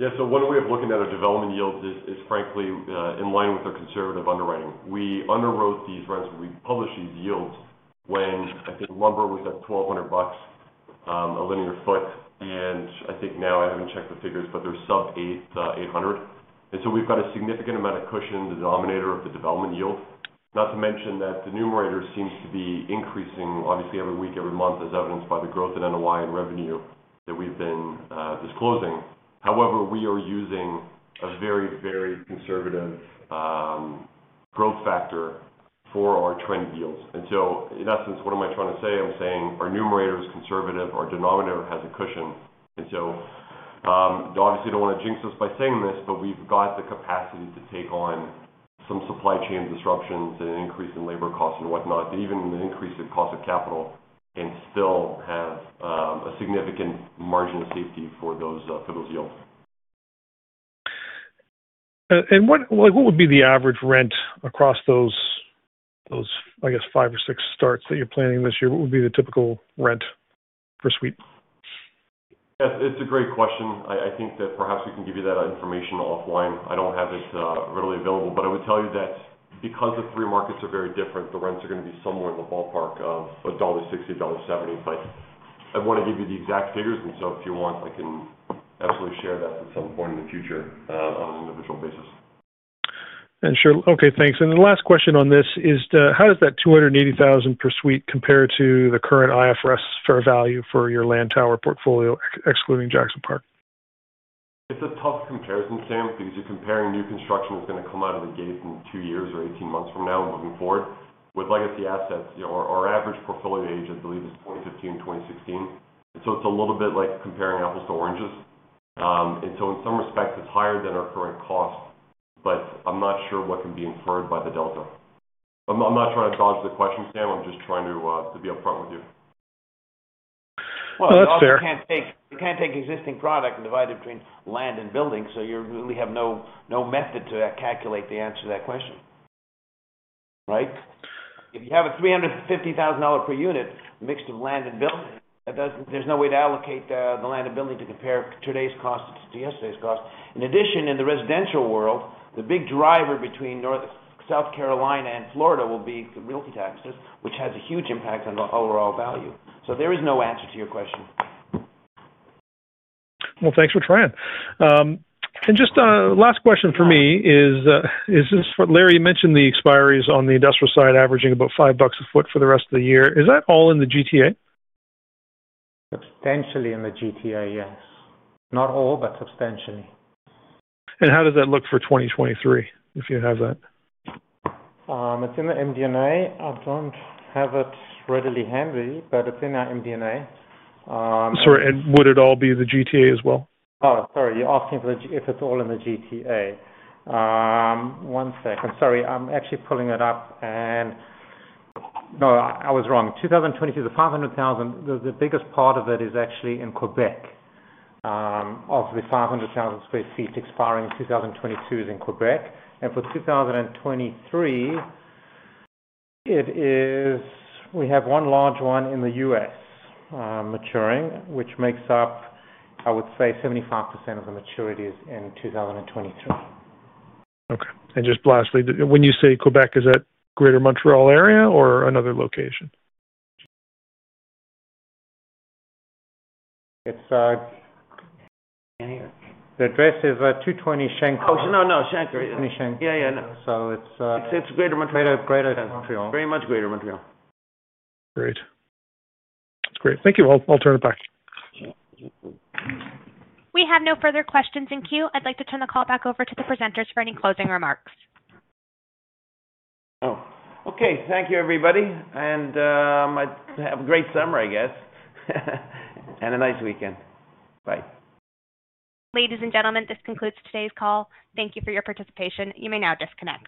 One way of looking at our development yields is frankly in line with our conservative underwriting. We underwrote these rents, and we published these yields when I think lumber was at $1,200 a linear foot. I think now I haven't checked the figures, but they're sub-800. We've got a significant amount of cushion, the denominator of the development yield. Not to mention that the numerator seems to be increasing obviously every week, every month, as evidenced by the growth in NOI and revenue that we've been disclosing. However, we are using a very conservative growth factor for our trend deals. In essence, what am I trying to say? I'm saying our numerator is conservative, our denominator has a cushion. Obviously don't want to jinx us by saying this, but we've got the capacity to take on some supply chain disruptions and increase in labor costs and whatnot, and even an increase in cost of capital, and still have a significant margin of safety for those yields. Like, what would be the average rent across those, I guess five or six starts that you're planning this year? What would be the typical rent per suite? Yes, it's a great question. I think that perhaps we can give you that information offline. I don't have it readily available. I would tell you that because the three markets are very different, the rents are gonna be somewhere in the ballpark of 1.60-1.70 dollar. I want to give you the exact figures, and so if you want, I can absolutely share that at some point in the future on an individual basis. Sure. Okay, thanks. The last question on this is, how does that 280,000 per suite compare to the current IFRS fair value for your Lantower portfolio, excluding Jackson Park? It's a tough comparison, Sam, because you're comparing new construction that's gonna come out of the gate in two years or 18 months from now and moving forward. With legacy assets, our average portfolio age, I believe is 2015, 2016. It's a little bit like comparing apples to oranges. In some respects, it's higher than our current cost. I'm not sure what can be inferred by the delta. I'm not trying to dodge the question, Sam. I'm just trying to be upfront with you. Well, that's fair. You can't take existing product and divide it between land and buildings, so you really have no method to calculate the answer to that question. Right? If you have a $350,000 per unit mix of land and building, that doesn't. There's no way to allocate the land and building to compare today's cost to yesterday's cost. In addition, in the residential world, the big driver between North and South Carolina and Florida will be the realty taxes, which has a huge impact on the overall value. There is no answer to your question. Well, thanks for trying. Just a last question from me is, Larry, you mentioned the expiries on the industrial side averaging about 5 bucks a foot for the rest of the year. Is that all in the GTA? Substantially in the GTA, yes. Not all, but substantially. How does that look for 2023, if you have that? It's in the MD&A. I don't have it readily handy, but it's in our MD&A. Sorry, would it all be the GTA as well? Sorry. You're asking if it's all in the GTA. One second. Sorry. I'm actually pulling it up. No, I was wrong. 2022, the 500,000, the biggest part of it is actually in Quebec. Of the 500,000 sq ft expiring in 2022 is in Quebec. For 2023, it is. We have one large one in the US, maturing, which makes up, I would say 75% of the maturities in 2023. Okay. Just lastly, when you say Quebec, is that Greater Montreal area or another location? It's the address is 220 Shanklin. Oh, no. Shanklin. 220 Shanklin. Yeah, yeah. No. It's. It's Greater Montreal. Greater Montreal. Very much Greater Montreal. Great. That's great. Thank you. I'll turn it back. We have no further questions in queue. I'd like to turn the call back over to the presenters for any closing remarks. Oh, okay. Thank you, everybody. Have a great summer, I guess, and a nice weekend. Bye. Ladies and gentlemen, this concludes today's call. Thank you for your participation. You may now disconnect.